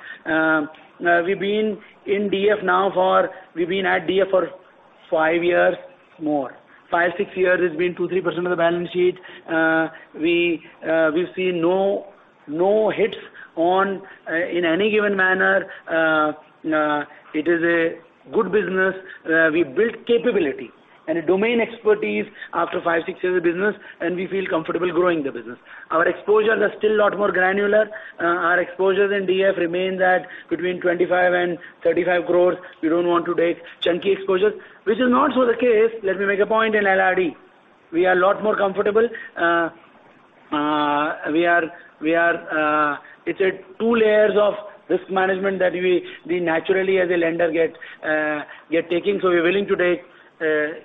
We've been at DF for five years more. Five to six years, it's been 2%-3% of the balance sheet. We've seen no hits in any given manner. It is a good business. We built capability and a domain expertise after five to six years of business, and we feel comfortable growing the business. Our exposures are still a lot more granular. Our exposures in DF remain between 25 crore-35 crore. We don't want to take chunky exposures. Which is not the case, let me make a point, in LRD. We are a lot more comfortable. It's two layers of risk management that we naturally as a lender get taking. We're willing to take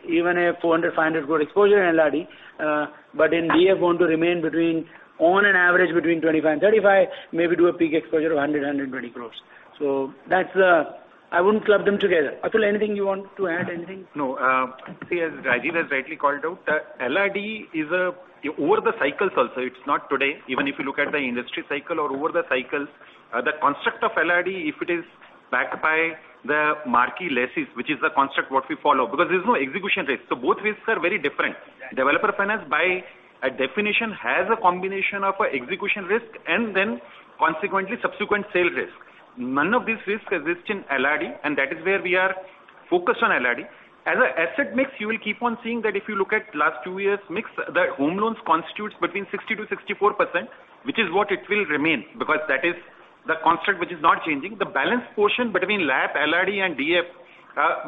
even 400 crore-500 crore exposure in LRD. In DF want to remain on an average between 25 crore-35 crore, maybe do a peak exposure of 100 crore-120 crores. That's, I wouldn't club them together. Atul, anything you want to add? No, as Rajeev has rightly called out, LRD is over the cycles also, it's not today. Even if you look at the industry cycle or over the cycles, the construct of LRD, if it is backed by the marquee leases, which is the construct what we follow, because there's no execution risk. Both risks are very different. Yeah. Developer finance, by definition, has a combination of execution risk and then consequently subsequent sale risk. None of this risk exists in LRD, and that is where we are focused on LRD. As an asset mix, you will keep on seeing that if you look at last two years mix, the home loans constitutes between 60%-64%, which is what it will remain, because that is the construct which is not changing. The balance portion between LAP, LRD and DF,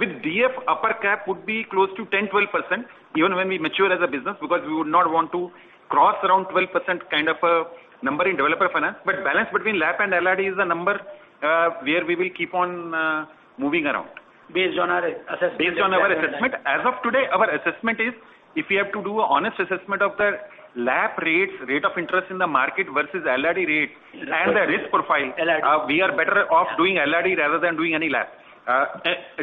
with DF upper cap would be close to 10%-12% even when we mature as a business because we would not want to cross around 12% kind of a number in developer finance. Balance between LAP and LRD is a number where we will keep on moving around. Based on our assessment. Based on our assessment. As of today, our assessment is if we have to do an honest assessment of the LAP rates, rate of interest in the market versus LRD rates and the risk profile. LRD. We are better off doing LRD rather than doing any LAP.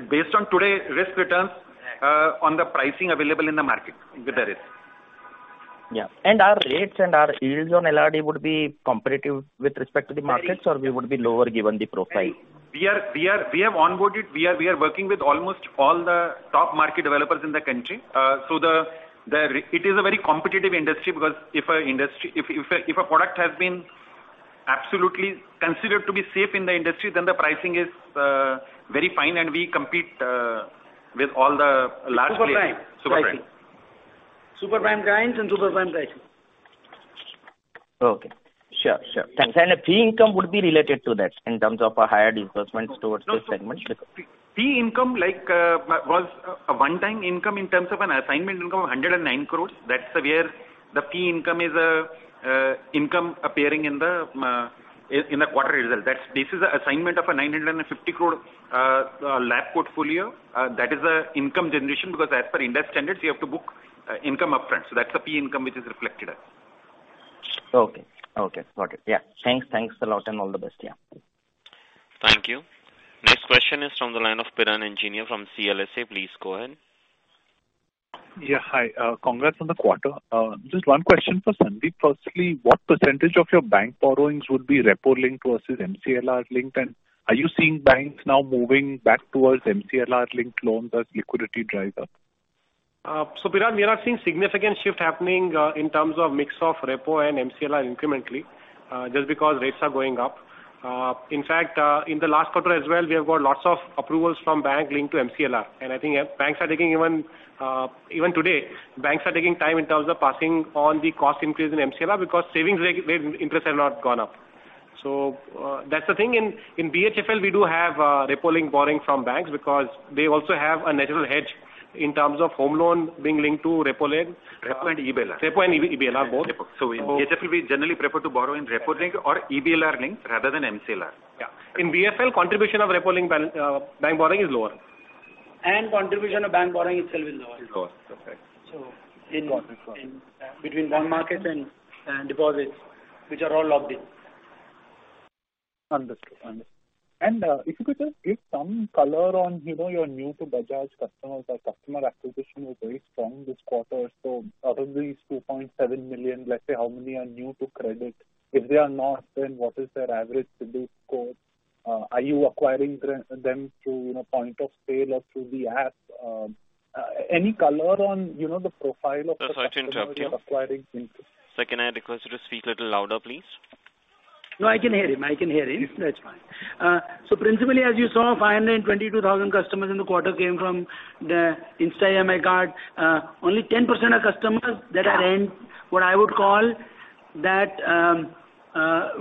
Based on today's risk returns, on the pricing available in the market with the risk. Yeah. Our rates and our yields on LRD would be competitive with respect to the markets, or we would be lower given the profile. We are working with almost all the top market developers in the country. It is a very competitive industry because if a product has been absolutely considered to be safe in the industry, then the pricing is very fine and we compete with all the large players. Super prime. Super prime. Super prime clients and super prime pricing. Okay. Sure, sure. Thanks. The fee income would be related to that in terms of higher disbursements towards those segments. Fee income, like, was a one-time income in terms of an assignment income of 109 crore. That's where the fee income is, income appearing in the quarter result. This is an assignment of a 950 crore LAP portfolio. That is the income generation because as per industry standards you have to book income upfront. That's the fee income which is reflected as. Okay. Got it. Yeah. Thanks a lot and all the best. Yeah. Thank you. Next question is from the line of Piran Engineer from CLSA. Please go ahead. Hi. Congrats on the quarter. Just one question for Sandeep. Firstly, what percentage of your bank borrowings would be repo linked versus MCLR linked? Are you seeing banks now moving back towards MCLR linked loans as liquidity dries up? Piran, we are not seeing significant shift happening in terms of mix of repo and MCLR incrementally just because rates are going up. In fact, in the last quarter as well, we have got lots of approvals from banks linked to MCLR. I think banks are taking time even today in terms of passing on the cost increase in MCLR because savings rates, interest rates have not gone up. That's the thing. In BHFL, we do have repo linked borrowing from banks because they also have a natural hedge in terms of home loan being linked to repo linked. Repo and EBLR. Repo and EBLR both. In BHFL, we generally prefer to borrow in repo linked or EBLR linked rather than MCLR. Yeah. In BFL, contribution of repo linked bank borrowing is lower. Contribution of bank borrowing itself is lower. Is lower. Okay. In between bond market and deposits, which are all locked in. Understood. If you could just give some color on, you know, your new to Bajaj customers. Our customer acquisition was very strong this quarter. Out of these 2.7 million, let's say, how many are new to credit? If they are not, then what is their average CIBIL score? Are you acquiring them through, you know, point of sale or through the app? Any color on, you know, the profile of the customers you're acquiring? Sorry to interrupt you. Sir, can I request you to speak little louder, please? No, I can hear him. That's fine. Principally, as you saw, 522,000 customers in the quarter came from the Insta EMI Card. Only 10% are customers that are in what I would call that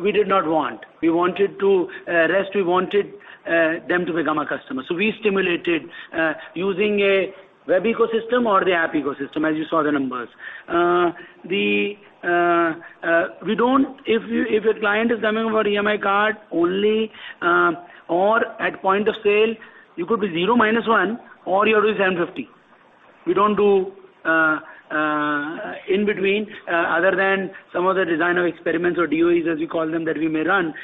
we did not want. The rest we wanted them to become our customers. We stimulated using a web ecosystem or the app ecosystem, as you saw the numbers. We don't. If a client is coming for EMI Card only or at point of sale, you could be zero minues one1 or you're already 750. We don't do in between other than some of the design of experiments or DOEs as we call them that we may run.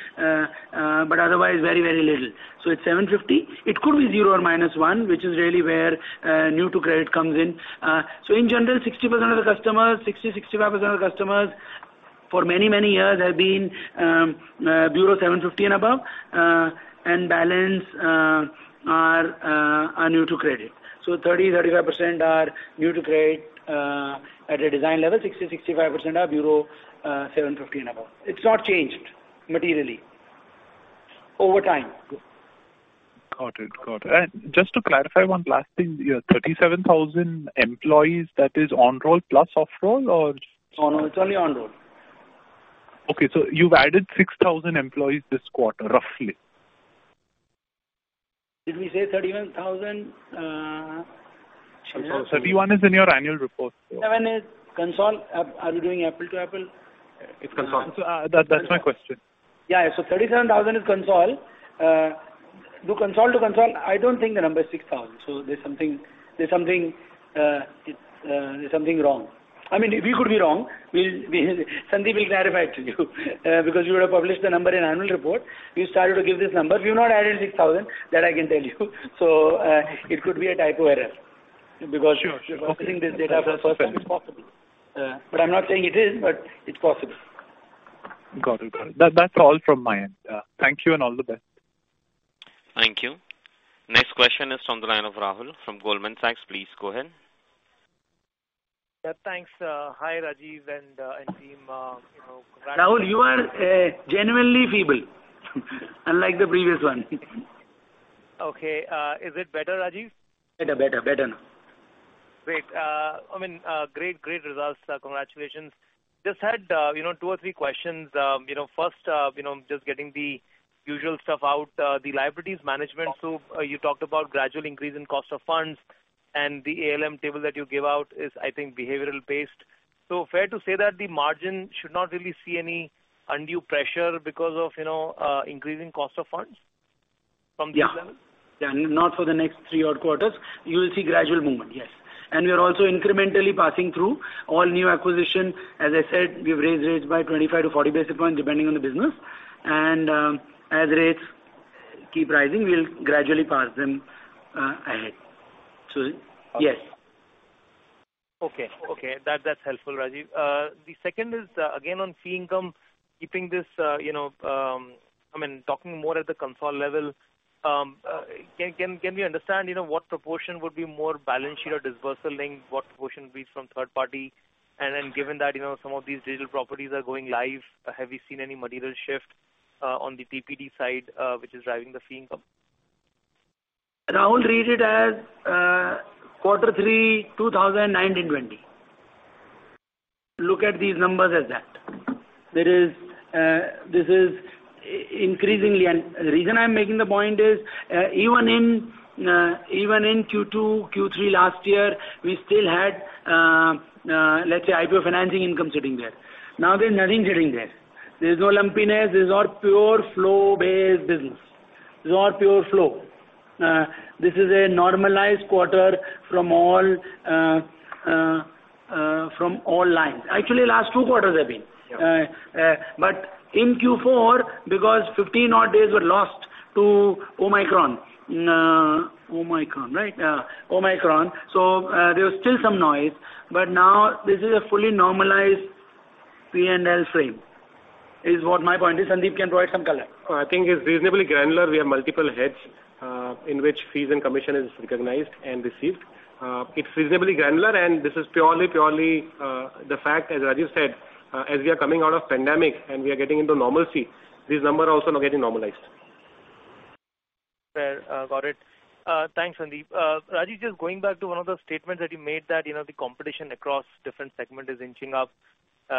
Otherwise very, very little. It's 750. It could be zero or minus one, which is really where new to credit comes in. In general, 65% of the customers for many, many years have been bureau 750 and above. And balance are new to credit. 35% are new to credit. At a design level, 65% are bureau 750 and above. It's not changed materially over time. Got it. Just to clarify one last thing. Your 37,000 employees, that is on roll plus off roll or? No, it's only on roll. Okay. You've added 6,000 employees this quarter, roughly. Did we say 31,000? 31 is in your annual report. Seven is consol. Are we doing apples to apples? It's consol. That's my question. Yeah. 37,000 is consolidated. From consolidated to consolidated, I don't think the number is 6,000. There's something wrong. I mean, we could be wrong. Sandeep will clarify it to you. Because you would have published the number in annual report. We started to give this number. We've not added 6,000, that I can tell you. It could be a typo error because. Sure. We're publishing this data for the first time. It's possible. Yeah. I'm not saying it is, but it's possible. Got it. That, that's all from my end. Thank you and all the best. Thank you. Next question is from the line of Rahul from Goldman Sachs. Please go ahead. Yeah, thanks. Hi, Rajeev and team. You know, congrats- Rahul, you are genuinely feeble unlike the previous one. Okay. Is it better, Rajeev? Better now. Great. I mean, great results. Congratulations. Just had, you know, two or three questions. You know, first, you know, just getting the usual stuff out. The liabilities management. You talked about gradual increase in cost of funds and the ALM table that you gave out is, I think, behavioral based. Fair to say that the margin should not really see any undue pressure because of, you know, increasing cost of funds from this level? Yeah. Not for the next three odd quarters. You will see gradual movement. Yes. We are also incrementally passing through all new acquisition. As I said, we've raised rates by 25-40 basis points depending on the business. As rates keep rising, we'll gradually pass them ahead. Yes. Okay. That's helpful, Rajeev. The second is, again on fee income, keeping this, you know, I mean, talking more at the consolidated level, can we understand, you know, what proportion would be more balance sheet or disbursal linked? What proportion will be from third party? And then given that, you know, some of these digital properties are going live, have you seen any material shift on the TPD side, which is driving the fee income? Rahul, read it as quarter three 2019-2020. Look at these numbers as that. This is increasingly. The reason I'm making the point is even in Q2, Q3 last year, we still had let's say IPO financing income sitting there. Now, there's nothing sitting there. There's no lumpiness. This is all pure flow-based business. This is all pure flow. This is a normalized quarter from all lines. Actually, last two quarters have been. Sure. In Q4, because 15 odd days were lost to Omicron. There was still some noise, but now this is a fully normalized P&L frame, is what my point is. Sandeep can provide some color. I think it's reasonably granular. We have multiple heads in which fees and commission is recognized and received. It's reasonably granular, and this is purely the fact, as Rajeev said, as we are coming out of pandemic and we are getting into normalcy, this number also now getting normalized. Fair. Got it. Thanks, Sandeep. Rajeev, just going back to one of the statements that you made that, you know, the competition across different segment is inching up.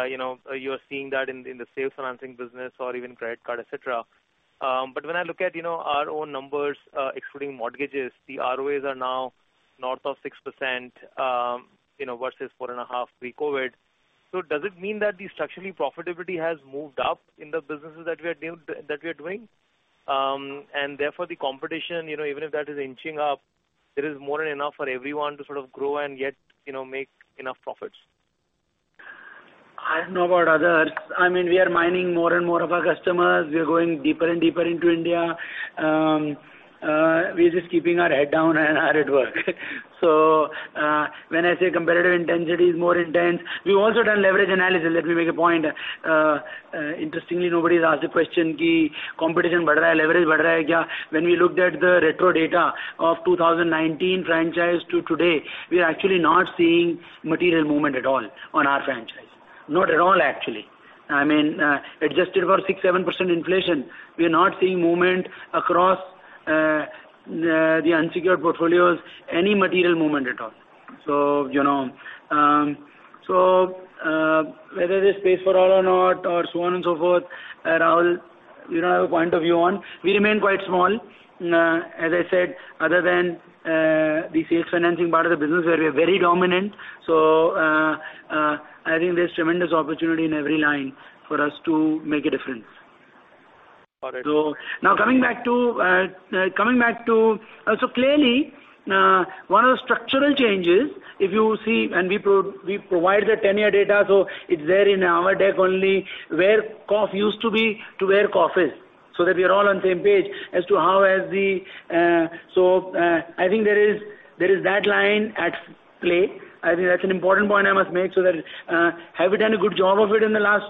You know, you are seeing that in the sales financing business or even credit card, et cetera. But when I look at, you know, our own numbers, excluding mortgages, the ROAs are now north of 6%, you know, versus 4.5 pre-COVID. Does it mean that the structural profitability has moved up in the businesses that we are doing? Therefore the competition, you know, even if that is inching up, there is more than enough for everyone to sort of grow and yet, you know, make enough profits. I don't know about others. I mean, we are mining more and more of our customers. We are going deeper and deeper into India. We're just keeping our head down and hard at work. When I say competitive intensity is more intense, we've also done leverage analysis. Let me make a point. Interestingly, nobody's asked the question. When we looked at the retro data of 2019 franchise to today, we are actually not seeing material movement at all on our franchise. Not at all, actually. I mean, adjusted for 6%-7% inflation, we are not seeing movement across the unsecured portfolios, any material movement at all. You know. Whether there's space for all or not or so on and so forth, Rahul, you now have a point of view on. We remain quite small. As I said, other than the sales financing part of the business where we're very dominant. I think there's tremendous opportunity in every line for us to make a difference. Got it. Now coming back to. Clearly, one of the structural changes, if you see and we provide the 10-year data, so it's there in our deck only where CoF used to be to where CoF is, so that we are all on the same page as to how has the. I think there is that line at play. I think that's an important point I must make so that have we done a good job of it in the last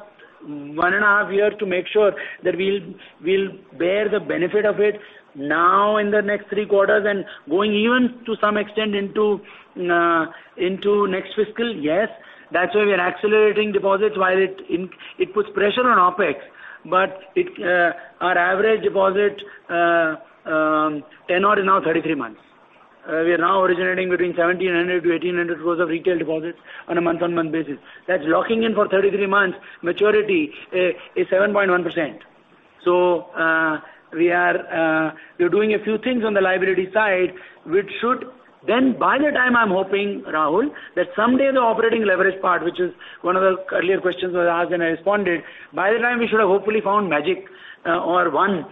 one and a half years to make sure that we'll bear the benefit of it now in the next three quarters and going even to some extent into next fiscal. Yes. That's why we are accelerating deposits while it puts pressure on OpEx. Our average deposit 10 odd is now 33 months. We are now originating between 1,700 crores-1,800 crores of retail deposits on a month-on-month basis. That's locking in for 33 months maturity is 7.1%. We are doing a few things on the liability side, which should then by the time I'm hoping, Rahul, that someday the operating leverage part, which is one of the earlier questions was asked and I responded, by the time we should have hopefully found magic or one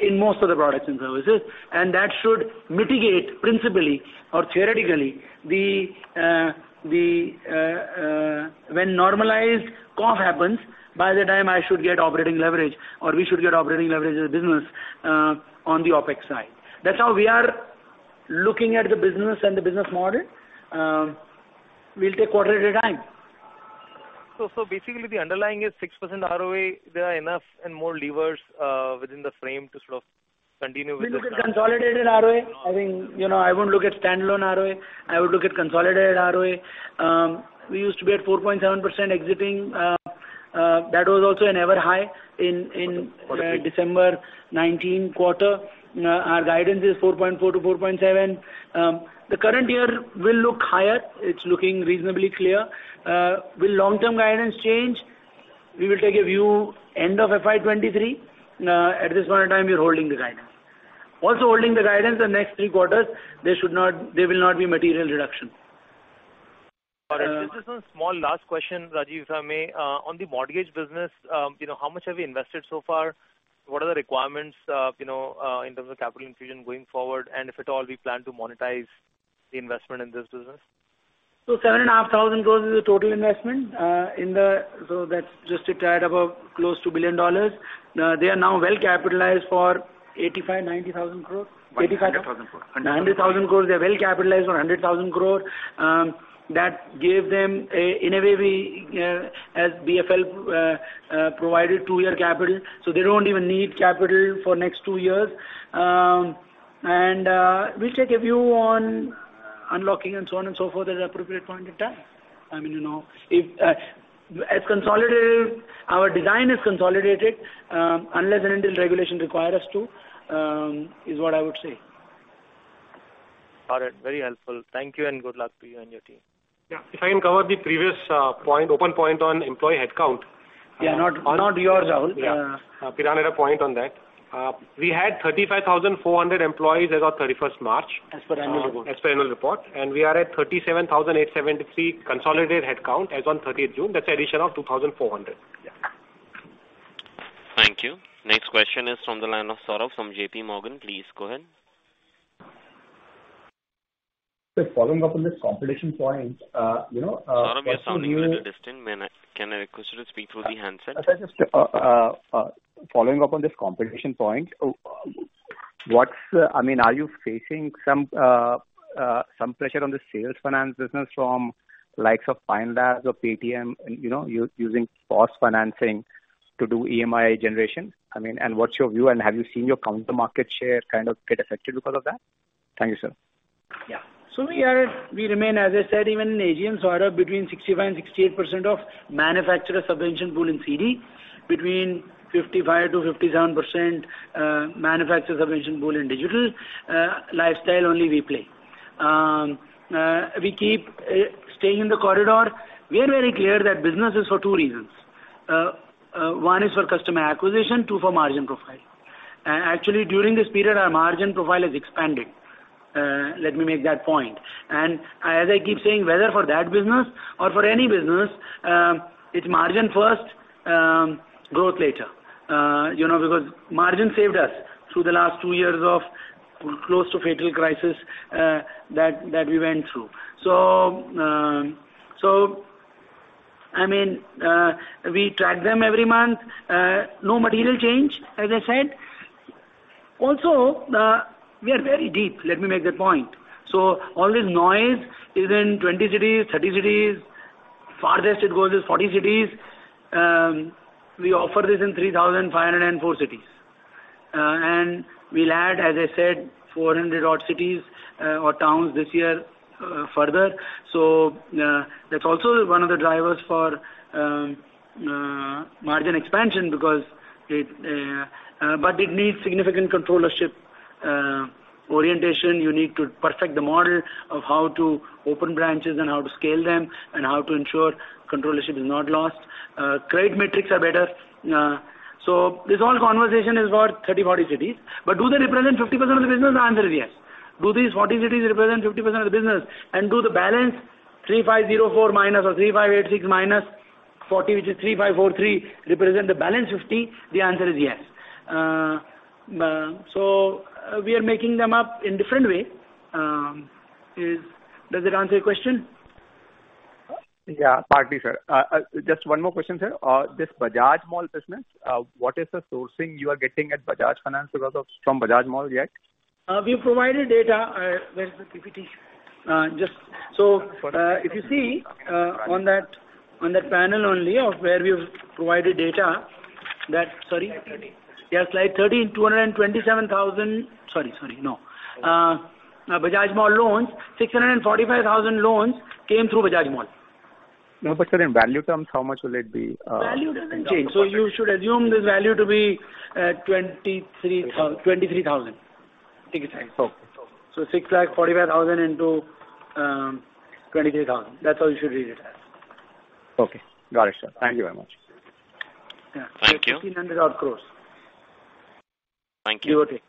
in most of the products and services, and that should mitigate principally or theoretically the when normalized CoF happens, by the time I should get operating leverage or we should get operating leverage as a business on the OpEx side. That's how we are looking at the business and the business model. We'll take quarter at a time. Basically the underlying is 6% ROA. There are enough and more levers within the frame to sort of continue with this now. We look at consolidated ROA. I think, you know, I won't look at standalone ROA. I would look at consolidated ROA. We used to be at 4.7% exiting. That was also an ever high in. Okay. December 2019 quarter. Our guidance is 4.4%-4.7%. The current year will look higher. It's looking reasonably clear. Will long-term guidance change? We will take a view end of FY 2023. At this point in time, we're holding the guidance. Also holding the guidance the next three quarters, there will not be material reduction. All right. Just a small last question, Rajeev, if I may. On the mortgage business, you know, how much have you invested so far? What are the requirements, you know, in terms of capital infusion going forward? If at all we plan to monetize the investment in this business? 7.5 thousand crores is the total investment in the. That's just a tad above close to $1 billion. They are now well capitalized for 85,000 crores-90,000 crores. 100,000 crores. 100,000 crores. They're well capitalized for 100,000 crores. That gave them, in a way, as BFL provided two-year capital, so they don't even need capital for next two years. We'll take a view on unlocking and so on and so forth at an appropriate point in time. I mean, you know, if as consolidated, our design is consolidated, unless and until regulation require us to, is what I would say. All right. Very helpful. Thank you and good luck to you and your team. Yeah. If I can cover the previous open point on employee headcount. Yeah. Not yours, Rahul. Yeah. Piranjani had a point on that. We had 35,400 employees as of 31st March. As per annual report. As per annual report. We are at 37,873 consolidated headcount as on 30th June. That's an addition of 2,400. Yeah. Thank you. Next question is from the line of Saurav from JP Morgan. Please go ahead. Following up on this competition point, you know, Saurav, you're sounding a little distant. Can I request you to speak through the handset? Sorry. Just following up on this competition point, I mean, are you facing some pressure on the sales finance business from likes of Flipkart or Paytm, you know, using BNPL financing to do EMI generation? I mean, and what's your view, and have you seen your market share kind of get affected because of that? Thank you, sir. We remain, as I said, even in OEMs order between 65%-68% of manufacturer subvention pool in CD, 55%-57% manufacturer subvention pool in digital. Lifestyle only we play. We keep staying in the corridor. We are very clear that business is for two reasons. One is for customer acquisition, two, for margin profile. Actually, during this period, our margin profile has expanded. Let me make that point. As I keep saying, whether for that business or for any business, it's margin first, growth later. You know, because margin saved us through the last two years of close to fatal crisis, that we went through. I mean, we track them every month. No material change, as I said. Also, we are very deep. Let me make that point. All this noise is in 20 cities, 30 cities. Farthest it goes is 40 cities. We offer this in 3,504 cities. And we'll add, as I said, 400 odd cities or towns this year, further. That's also one of the drivers for margin expansion, but it needs significant controllership orientation. You need to perfect the model of how to open branches and how to scale them and how to ensure controllership is not lost. Credit metrics are better. This whole conversation is about 30, 40 cities. But do they represent 50% of the business? The answer is yes. Do these 40 cities represent 50% of the business? Do the balance 3504 minus or 3586 minus 40, which is 3543, represent the balance 50? The answer is yes. So we are making them up in different way. Does that answer your question? Yeah, partly, sir. Just one more question, sir. This Bajaj Mall business, what is the sourcing you are getting at Bajaj Finance from Bajaj Mall yet? We've provided data. Where is the PPT? If you see on that panel only where we've provided data, that. Sorry. Slide 13. Yeah, slide 13. Sorry. No. Bajaj Mall loans, 645,000 loans came through Bajaj Mall. No, sir, in value terms, how much will it be? Value doesn't change. You should assume this value to be 23000 crores. Take it from there. Okay. 645,000 into 23,000. That's how you should read it as. Okay. Got it, sir. Thank you very much. Yeah. Thank you. 1,600-odd crores. Thank you. QOT.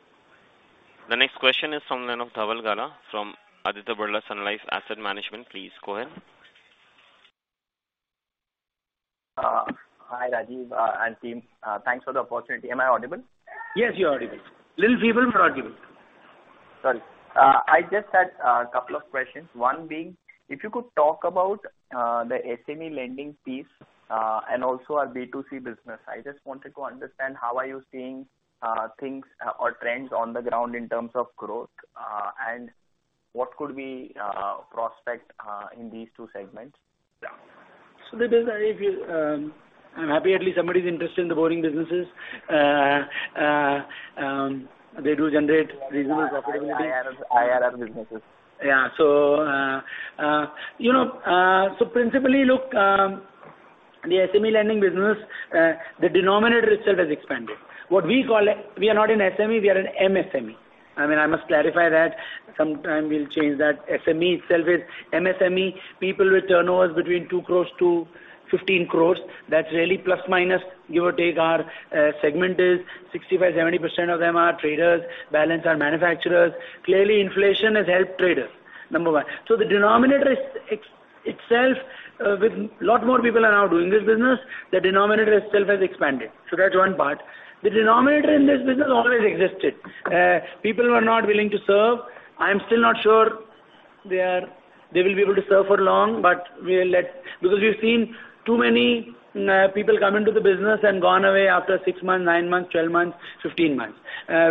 The next question is from the line of Dhaval Gala from Aditya Birla Sun Life Asset Management. Please go ahead. Hi, Rajeev, and team. Thanks for the opportunity. Am I audible? Yes, you're audible. Little feeble, but audible. Sorry. I just had a couple of questions. One being, if you could talk about the SME lending piece and also our B2C business. I just wanted to understand how are you seeing things or trends on the ground in terms of growth and what could we expect in these two segments? Yeah. That is very. I'm happy at least somebody's interested in the boring businesses. They do generate reasonable profitability. IRR businesses. Yeah, you know, principally, look, the SME lending business, the denominator itself has expanded. What we call it, we are not an SME, we are an MSME. I mean, I must clarify that. Sometime we'll change that. SME itself is MSME. People with turnovers between 2 crore-15 crore. That's really plus or minus, give or take. Our segment is 65%-70% of them are traders, balance are manufacturers. Clearly, inflation has helped traders, number one. The denominator is itself, with lot more people are now doing this business, the denominator itself has expanded. That's one part. The denominator in this business always existed. People were not willing to serve. I am still not sure they will be able to serve for long, but we'll let. Because we've seen too many people come into the business and gone away after six months, nine months, 12 months, 15 months.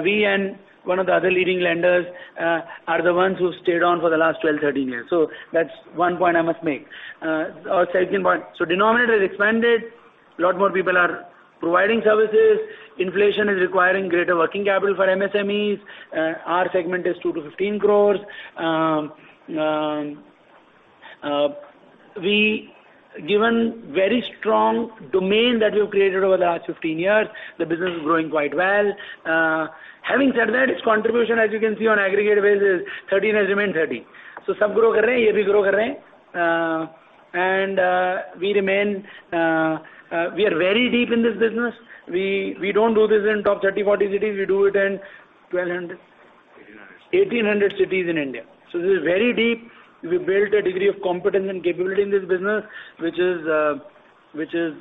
We and one of the other leading lenders are the ones who stayed on for the last 12-13 years. That's one point I must make. Or second point. Denominator expanded. A lot more people are providing services. Inflation is requiring greater working capital for MSMEs. Our segment is 2 crore-15 crore. Given very strong domain that we've created over the last 15 years, the business is growing quite well. Having said that, its contribution, as you can see on aggregate basis, 13% has remained 13%. We remain very deep in this business. We don't do this in top 30-40 cities. We do it in 1,200 1,800. 1,800 cities in India. This is very deep. We built a degree of competence and capability in this business, which is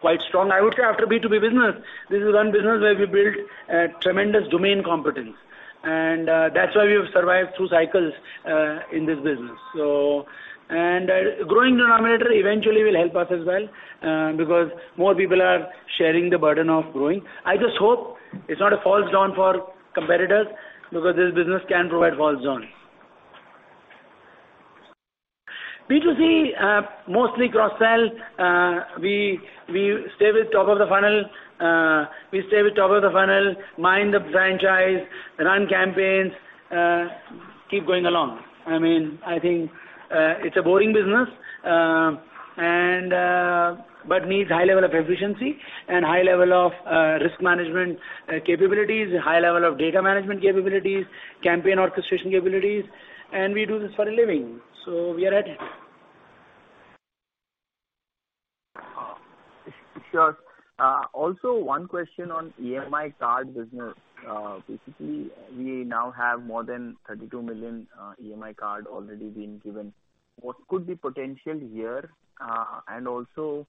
quite strong. I would say after B2B business, this is one business where we built a tremendous domain competence, and that's why we have survived through cycles in this business. Growing denominator eventually will help us as well, because more people are sharing the burden of growing. I just hope it's not a false dawn for competitors because this business can provide false dawn. B2C, mostly cross-sell. We stay with top of the funnel. We stay with top of the funnel, mind the franchise, run campaigns, keep going along. I mean, I think it's a boring business, and. needs high level of efficiency and high level of risk management capabilities, high level of data management capabilities, campaign orchestration capabilities, and we do this for a living, so we are at it. Sure. Also one question on EMI Card business. Basically, we now have more than 32 million EMI Card already been given. What could be potential here? Also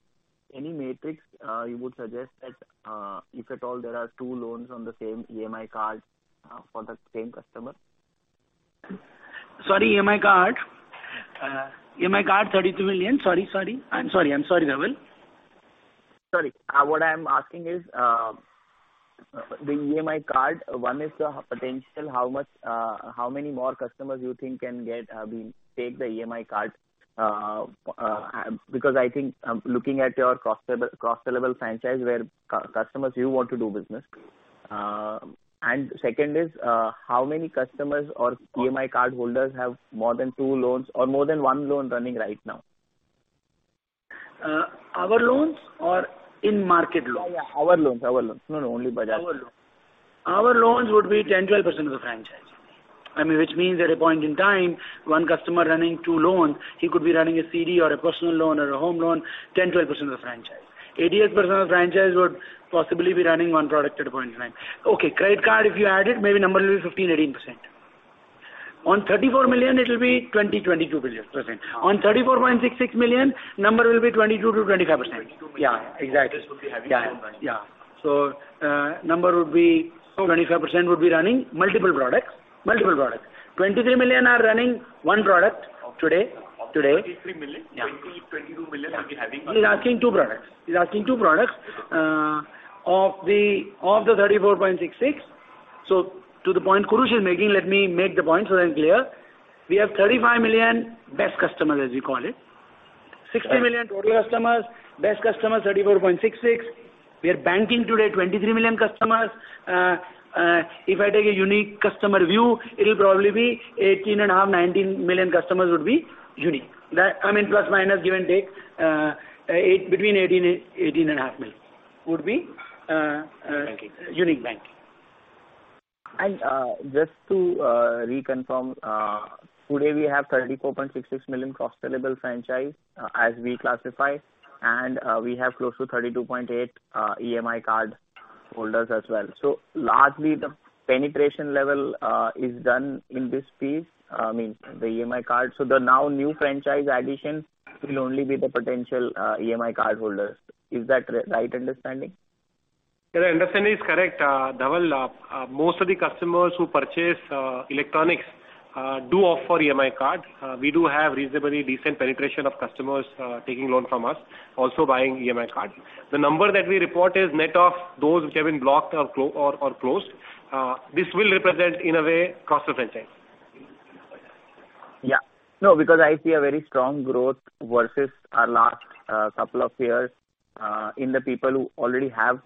any metrics you would suggest that if at all there are two loans on the same EMI Card for the same customer? Sorry, EMI Card? EMI Card, 32 million. Sorry. I'm sorry, Dhaval. Sorry. What I'm asking is, the EMI Card, one is the potential, how much, how many more customers you think can get, take the EMI Card? Because I think looking at your cross-sellable franchise where customers you want to do business. Second is, how many customers or EMI cardholders have more than two loans or more than one loan running right now? Our loans or in-market loans? Yeah, our loans. No, no, only Bajaj. Our loans would be 10%-12% of the franchise. I mean, which means at a point in time, one customer running two loans, he could be running a CD or a personal loan or a home loan, 10%-12% of the franchise. 80% of the franchise would possibly be running one product at a point in time. Okay, credit card, if you add it, maybe number will be 15%-18%. On 34 million, it will be 20%-22%. On 34.66 million, number will be 22%-25%. 22 million. Yeah, exactly. This will be having loan balance. 25% would be running multiple products. 23 million are running one product today. Of the 33 million Yeah. 22 million will be having He's asking two products. Of the 34.66. To the point Kurush is making, let me make the point so that it's clear. We have 35 million best customers, as you call it. 60 million total customers, best customers, 34.66. We are banking today 23 million customers. If I take a unique customer view, it'll probably be 18.5, 19 million customers would be unique. That, I mean, plus, minus, give and take, between 18.5 million would be. Banking. Unique banking. Just to reconfirm, today we have 34.66 million cross-sellable franchise, as we classify, and we have close to 32.8 million EMI Card holders as well. Largely the penetration level is done in this piece, means the EMI Card. The now new franchise additions will only be the potential EMI Card holders. Is that the right understanding? Yeah, the understanding is correct. Dhaval, most of the customers who purchase electronics do opt for EMI Card. We do have reasonably decent penetration of customers taking loan from us, also buying EMI Card. The number that we report is net of those which have been blocked or closed. This will represent in a way cross-sell franchise. Yeah. No, because I see a very strong growth versus our last couple of years in the people who already have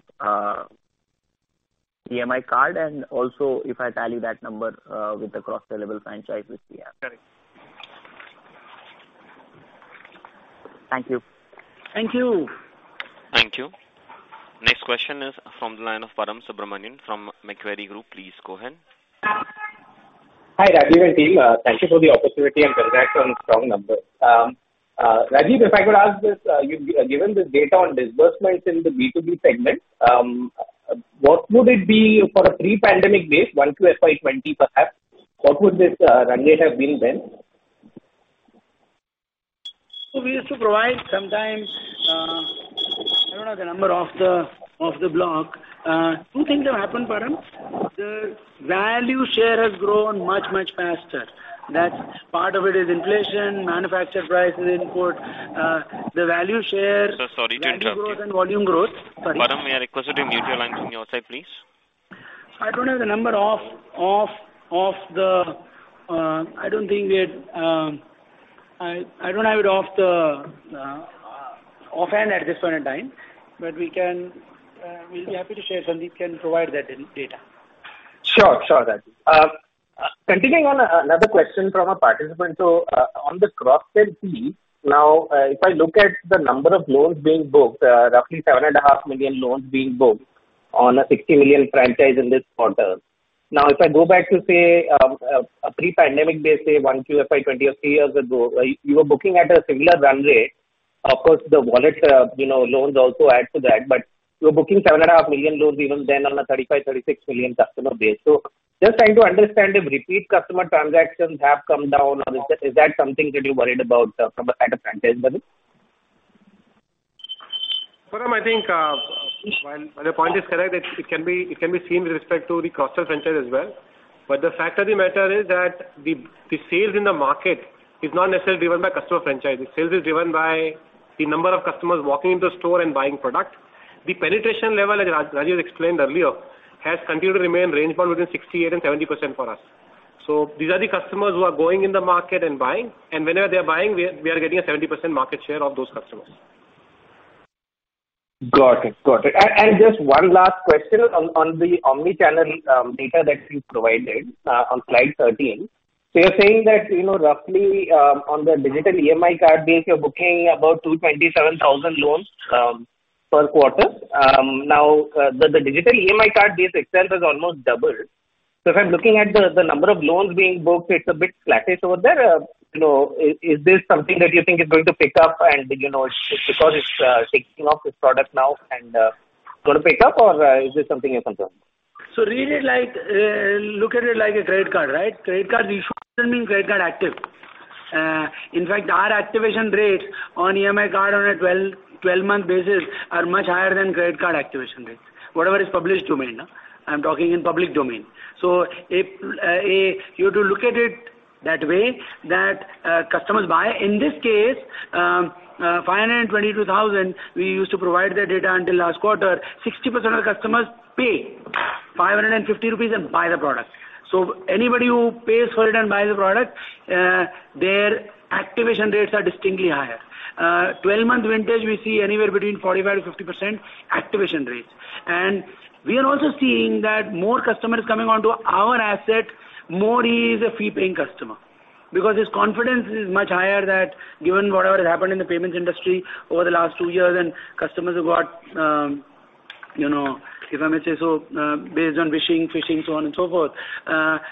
EMI Card, and also if I tally that number with the cross-sellable franchise which we have. Correct. Thank you. Thank you. Thank you. Next question is from the line of Param Subramanian from Macquarie Group. Please go ahead. Hi, Rajeev and team. Thank you for the opportunity and congrats on strong numbers. Rajeev, if I could ask this, you've given this data on disbursements in the B2B segment. What would it be for a pre-pandemic base, FY 2021 to FY 2020 perhaps? What would this run rate have been then? We used to provide sometimes, I don't know the number off the block. Two things have happened, Param. The value share has grown much faster. That's part of it is inflation, manufactured prices input. The value share Sir, sorry to interrupt you. Value growth and volume growth. Sorry. Param, we are requesting you mute your lines from your side, please. I don't have it offhand at this point in time. We'll be happy to share. Sandeep can provide that data. Sure, Rajeev. Continuing on another question from a participant. On the cross-sell fee, now, if I look at the number of loans being booked, roughly 7.5 million loans being booked on a 60 million franchise in this quarter. Now, if I go back to, say, a pre-pandemic day, say, Q1 FY 2020 or three years ago, you were booking at a similar run rate. Of course, the wallet, you know, loans also add to that, but you were booking 7.5 million loans even then on a 35-36 million customer base. Just trying to understand if repeat customer transactions have come down or is that, is that something that you're worried about from a kind of franchise basis? Param, I think while your point is correct, it can be seen with respect to the cross-sell franchise as well. The fact of the matter is that the sales in the market is not necessarily driven by customer franchise. The sales is driven by the number of customers walking into the store and buying product. The penetration level, as Rajeev explained earlier, has continued to remain range bound within 68%-70% for us. These are the customers who are going in the market and buying, and whenever they are buying, we are getting a 70% market share of those customers. Got it. Just one last question on the omni-channel data that you provided on slide 13. You're saying that, you know, roughly, on the digital EMI card base, you're booking about 227,000 loans per quarter. Now, the digital EMI card base itself has almost doubled. If I'm looking at the number of loans being booked, it's a bit flat-ish over there. You know, is this something that you think is going to pick up and, you know, it's because it's taking off this product now and gonna pick up or is this something you're concerned? Read it like, look at it like a credit card, right? Credit card, you should understand credit card activation. In fact, our activation rates on EMI Card on a twelve-month basis are much higher than credit card activation rates. Whatever is public domain, no? I'm talking in public domain. If you have to look at it that way that customers buy. In this case, 522,000, we used to provide the data until last quarter. 60% of the customers pay 550 rupees and buy the product. Anybody who pays for it and buys the product, their activation rates are distinctly higher. Twelve-month vintage, we see anywhere between 45%-50% activation rates. We are also seeing that more customers coming onto our app, more he is a fee-paying customer. Because his confidence is much higher that given whatever has happened in the payments industry over the last two years and customers have got based on vishing, phishing, so on and so forth.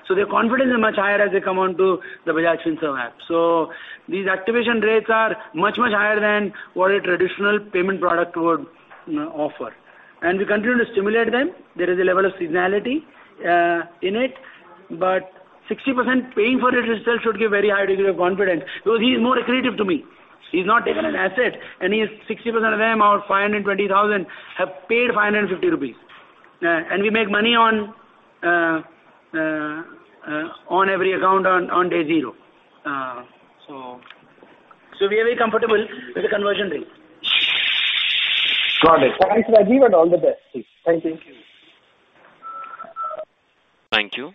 Their confidence is much higher as they come onto the Bajaj Finserv app. These activation rates are much, much higher than what a traditional payment product would offer. We continue to stimulate them. There is a level of seasonality in it. 60% paying for it itself should give very high degree of confidence because he's more accretive to me. He's not taken an asset, and he is 60% of them, our 520,000, have paid 550 rupees. We make money on every account on day zero. We are very comfortable with the conversion rate. Got it. Thanks, Rajeev, and all the best. Thank you. Thank you.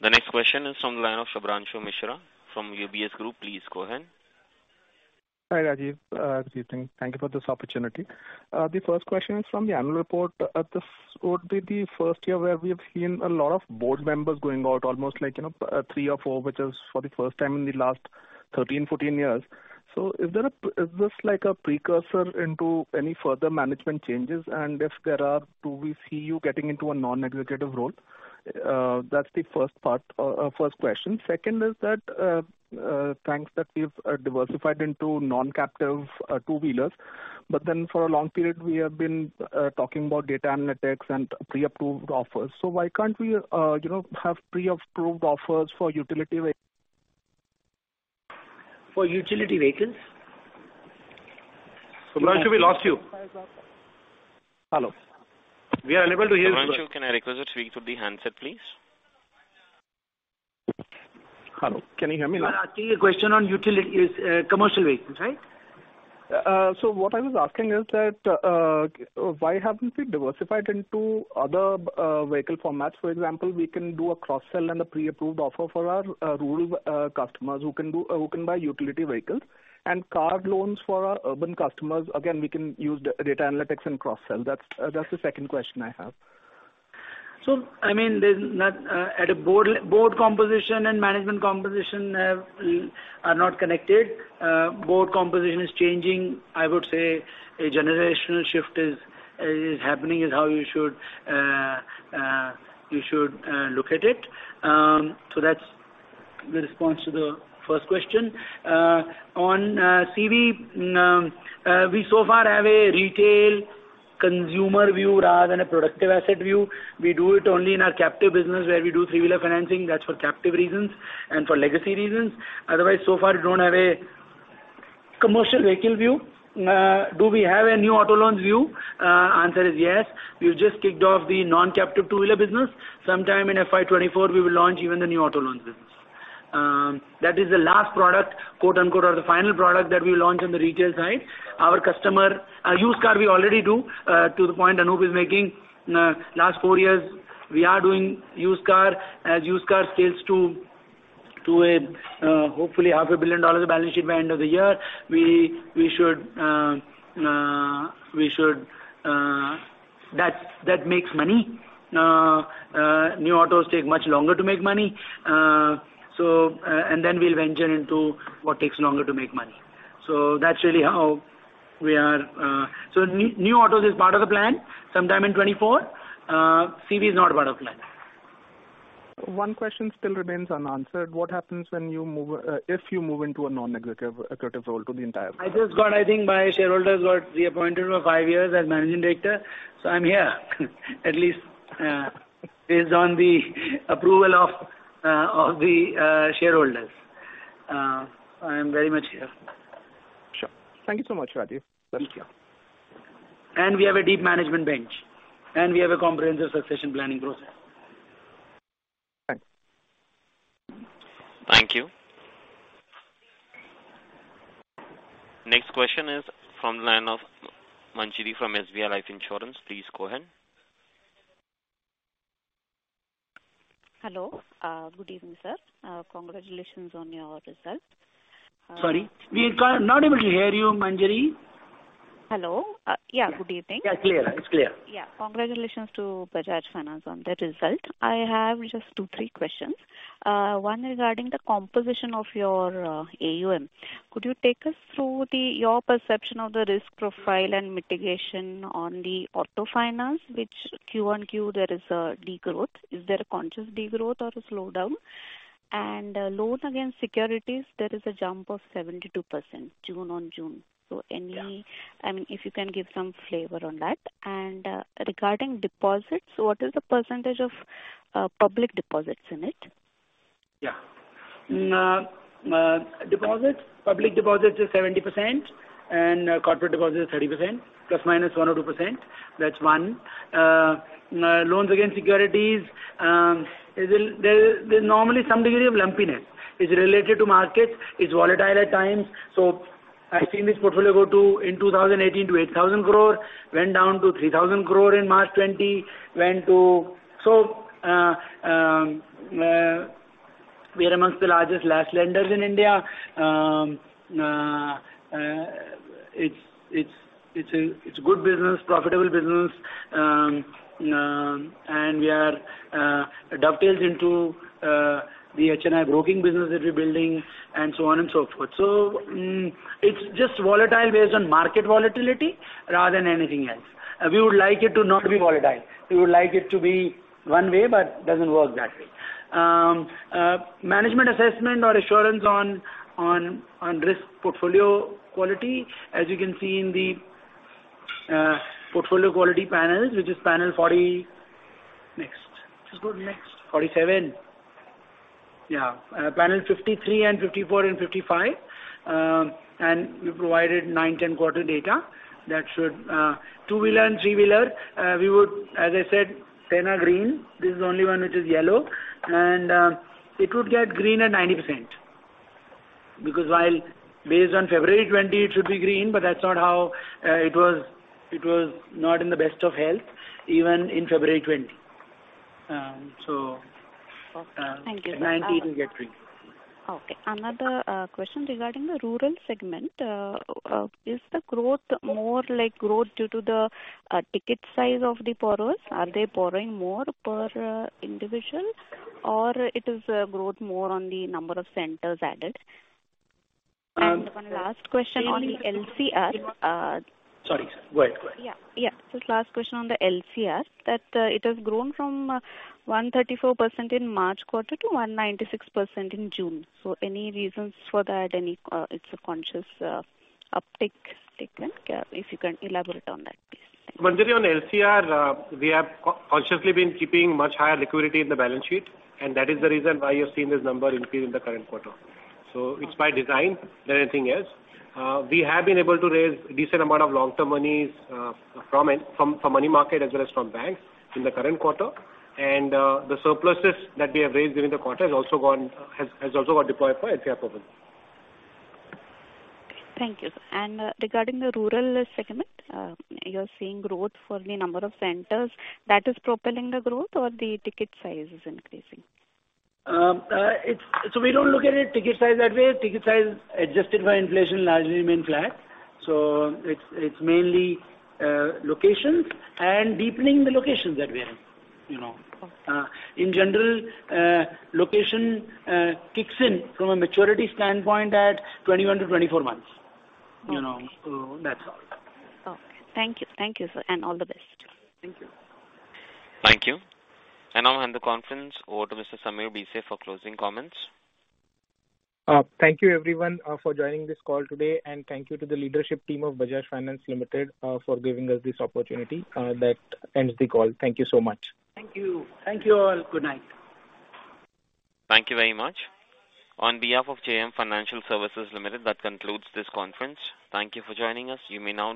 The next question is from the line of Subhranshu Mishra from UBS Group. Please go ahead. Hi, Rajeev. Good evening. Thank you for this opportunity. The first question is from the annual report. This would be the first year where we have seen a lot of board members going out, almost like, you know, three or four, which is for the first time in the last 13, 14 years. Is this like a precursor to any further management changes? And if there are, do we see you getting into a non-executive role? That's the first part or first question. Second is that, thanks, that we've diversified into non-captive two-wheelers. For a long period, we have been talking about data analytics and pre-approved offers. Why can't we, you know, have pre-approved offers for utility ve- For utility vehicles? Subhranshu, we lost you. Hello. We are unable to hear you. Subhranshu, can I request you to speak through the handset, please? Hello. Can you hear me now? No, I think your question on utilities, commercial vehicles, right? What I was asking is that, why haven't we diversified into other vehicle formats? For example, we can do a cross-sell and a pre-approved offer for our rural customers who can buy utility vehicles. Car loans for our urban customers, again, we can use data analytics and cross-sell. That's the second question I have. I mean, there's not at a board composition and management composition are not connected. Board composition is changing. I would say a generational shift is happening is how you should look at it. That's the response to the first question. On CV, we so far have a retail consumer view rather than a productive asset view. We do it only in our captive business where we do three-wheeler financing. That's for captive reasons and for legacy reasons. Otherwise, so far we don't have a commercial vehicle view. Do we have a new auto loans view? Answer is yes. We've just kicked off the non-captive two-wheeler business. Sometime in FY 2024 we will launch even the new auto loans business. That is the last product, quote unquote, or the final product that we'll launch on the retail side. Our customer used car we already do. To the point Anup is making, last four years we are doing used car. As used car scales to a hopefully half a billion dollars of balance sheet by end of the year, we should. That makes money. New autos take much longer to make money. And then we'll venture into what takes longer to make money. That's really how we are. New autos is part of the plan sometime in 2024. CV is not part of the plan. One question still remains unanswered. What happens when you move, if you move into a non-executive role to the entire board? I think my shareholders got reappointed for five years as managing director, so I'm here at least, based on the approval of the shareholders. I am very much here. Sure. Thank you so much, Rajeev. Thank you. We have a deep management bench, and we have a comprehensive succession planning process. Thanks. Thank you. Next question is from the line of Manjari from SBI Life Insurance. Please go ahead. Hello. Good evening, sir. Congratulations on your result. Sorry. Not able to hear you, Manjari. Hello. Yeah, good evening. Yeah, clear. It's clear. Yeah. Congratulations to Bajaj Finance on the result. I have just two, three questions. One regarding the composition of your AUM. Could you take us through your perception of the risk profile and mitigation on the auto finance, which Q on Q there is a degrowth. Is there a conscious degrowth or a slowdown? And loans against securities, there is a jump of 72% June on June. So any Yeah. I mean, if you can give some flavor on that. Regarding deposits, what is the percentage of public deposits in it? Deposits. Public deposits is 70% and corporate deposit is 30%, ±1 or 2%. That's one. Loans against securities. There's normally some degree of lumpiness. It's related to markets. It's volatile at times. I've seen this portfolio go to in 2018 to 8,000 crore, went down to 3,000 crore in March 2020, went to. We are among the largest lenders in India. It's a good business, profitable business. We are dovetailed into the HNI broking business that we're building and so on and so forth. It's just volatile based on market volatility rather than anything else. We would like it to not be volatile. We would like it to be one way, but doesn't work that way. Management assessment or assurance on risk portfolio quality, as you can see in the portfolio quality panels, which is panel 40. Next. Just go to next. 47. Yeah. Panel 53 and 54 and 55. And we provided nine, 10 quarter data. That should two-wheeler and three-wheeler we would. As I said, 10 are green. This is the only one which is yellow. It would get green at 90% because while based on February 2020 it should be green, but that's not how it was. It was not in the best of health even in February 2020. So Okay. Thank you. At 90 it will get green. Okay. Another question regarding the rural segment. Is the growth more like growth due to the ticket size of the borrowers? Are they borrowing more per individual or it is growth more on the number of centers added? Um One last question on the LCR. Sorry. Go ahead. Just last question on the LCR, that it has grown from 134% in March quarter to 196% in June. Any reasons for that? Is it a conscious uptick taken? If you can elaborate on that please. Manjari, on LCR, we have consciously been keeping much higher liquidity in the balance sheet, and that is the reason why you're seeing this number increase in the current quarter. It's by design than anything else. We have been able to raise decent amount of long-term monies from money market as well as from banks in the current quarter. The surpluses that we have raised during the quarter has also got deployed for LCR purpose. Thank you, sir. Regarding the rural segment, you're seeing growth for the number of centers. That is propelling the growth or the ticket size is increasing? We don't look at it ticket size that way. Ticket size adjusted by inflation largely remain flat. It's mainly locations and deepening the locations that we are in, you know. Okay. In general, allocation kicks in from a maturity standpoint at 21-24 months. Okay. You know, that's all. Okay. Thank you. Thank you, sir, and all the best. Thank you. Thank you. I now hand the conference over to Mr. Sameer Bhise for closing comments. Thank you everyone, for joining this call today, and thank you to the leadership team of Bajaj Finance Limited, for giving us this opportunity. That ends the call. Thank you so much. Thank you. Thank you all. Good night. Thank you very much. On behalf of JM Financial Services Ltd., that concludes this conference. Thank you for joining us. You may now